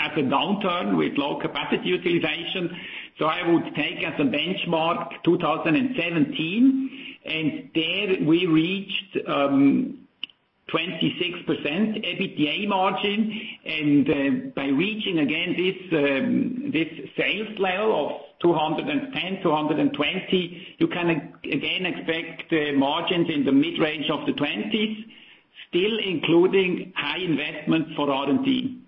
Speaker 2: at the downturn with low capacity utilization. I would take as a benchmark 2017, and there we reached 26% EBITDA margin. By reaching again this sales level of 210, 220, you can again expect margins in the mid-range of the twenties, still including high investment for R&D.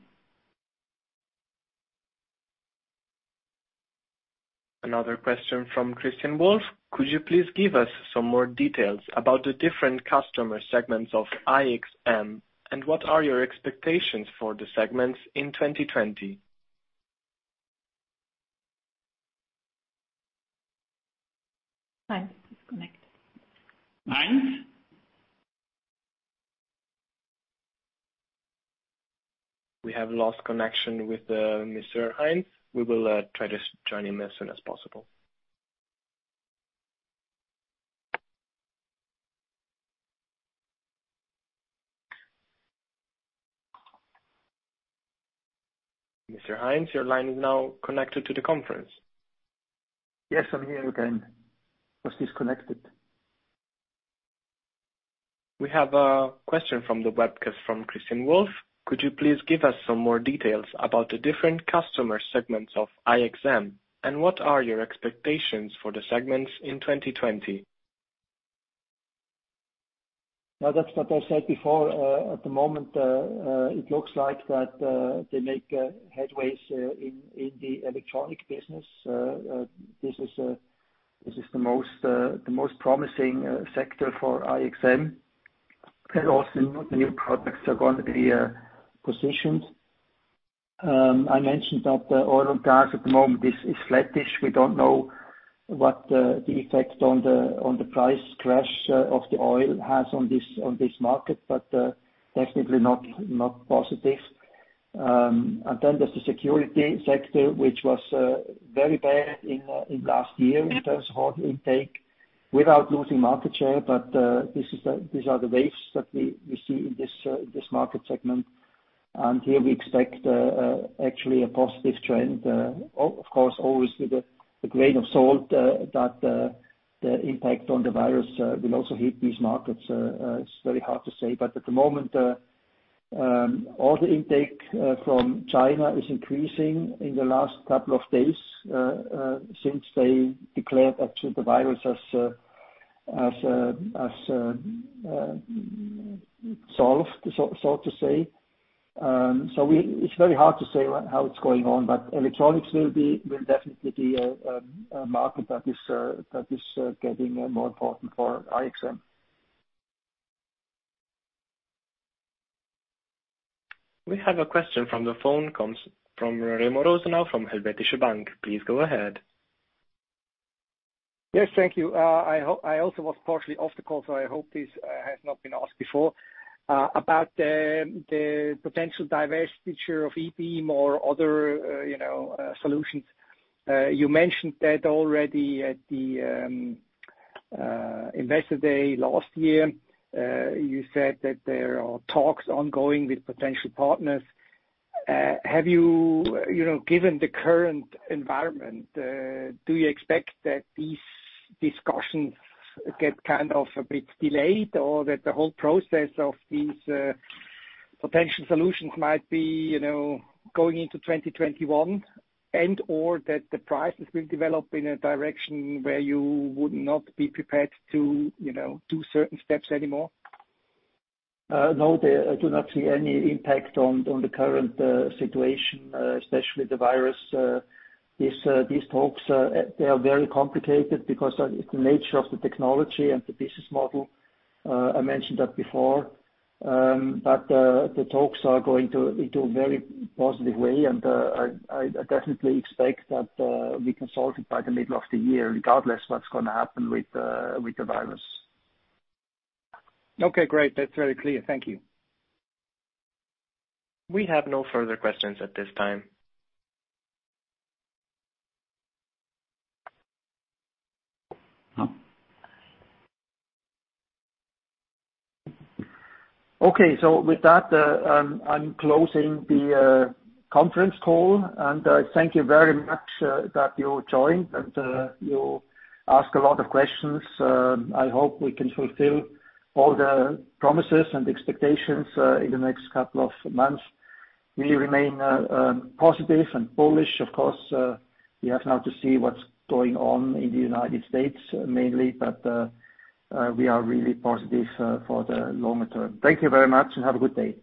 Speaker 3: Another question from Christian Wolf. Could you please give us some more details about the different customer segments of IXM, and what are your expectations for the segments in 2020? Heinz disconnected.
Speaker 2: Heinz?
Speaker 3: We have lost connection with Mr. Heinz. We will try to join him as soon as possible. Mr. Heinz, your line is now connected to the conference.
Speaker 1: Yes, I'm here again. I was disconnected.
Speaker 3: We have a question from the webcast from Christian Wolf. Could you please give us some more details about the different customer segments of IXM, and what are your expectations for the segments in 2020?
Speaker 1: Now, that's what I said before. At the moment, it looks like that they make headways in the electronic business. This is the most promising sector for IXM, and also the new products are going to be positioned. I mentioned that the oil and gas at the moment is flattish. We don't know what the effect on the price crash of the oil has on this market, but definitely not positive. there's the security sector, which was very bad in last year in terms of order intake without losing market share. These are the waves that we see in this market segment. Here we expect actually a positive trend, of course, always with a grain of salt, that the impact on the virus will also hit these markets. It's very hard to say, but at the moment, all the intake from China is increasing in the last couple of days, since they declared actually the virus as solved, so to say. It's very hard to say how it's going on, but electronics will definitely be a market that is getting more important for IXM.
Speaker 3: We have a question from the phone comes from Remo Rosenau from Helvetische Bank. Please go ahead.
Speaker 8: Yes, thank you. I also was partially off the call, so I hope this has not been asked before. About the potential divestiture of ebeam or other solutions. You mentioned that already at the investor day last year. You said that there are talks ongoing with potential partners. Given the current environment, do you expect that these discussions get kind of a bit delayed or that the whole process of these potential solutions might be going into 2021 and/or that the prices will develop in a direction where you would not be prepared to do certain steps anymore?
Speaker 1: No, I do not see any impact on the current situation, especially the virus. These talks are very complicated because it's the nature of the technology and the business model. I mentioned that before. The talks are going into a very positive way, and I definitely expect that we can solve it by the middle of the year, regardless what's going to happen with the virus.
Speaker 8: Okay, great. That's very clear. Thank you.
Speaker 3: We have no further questions at this time.
Speaker 1: Okay. with that, I'm closing the conference call, and thank you very much that you joined and you ask a lot of questions. I hope we can fulfill all the promises and expectations in the next couple of months. We remain positive and bullish, of course. We have now to see what's going on in the United States, mainly. we are really positive for the longer term. Thank you very much and have a good day.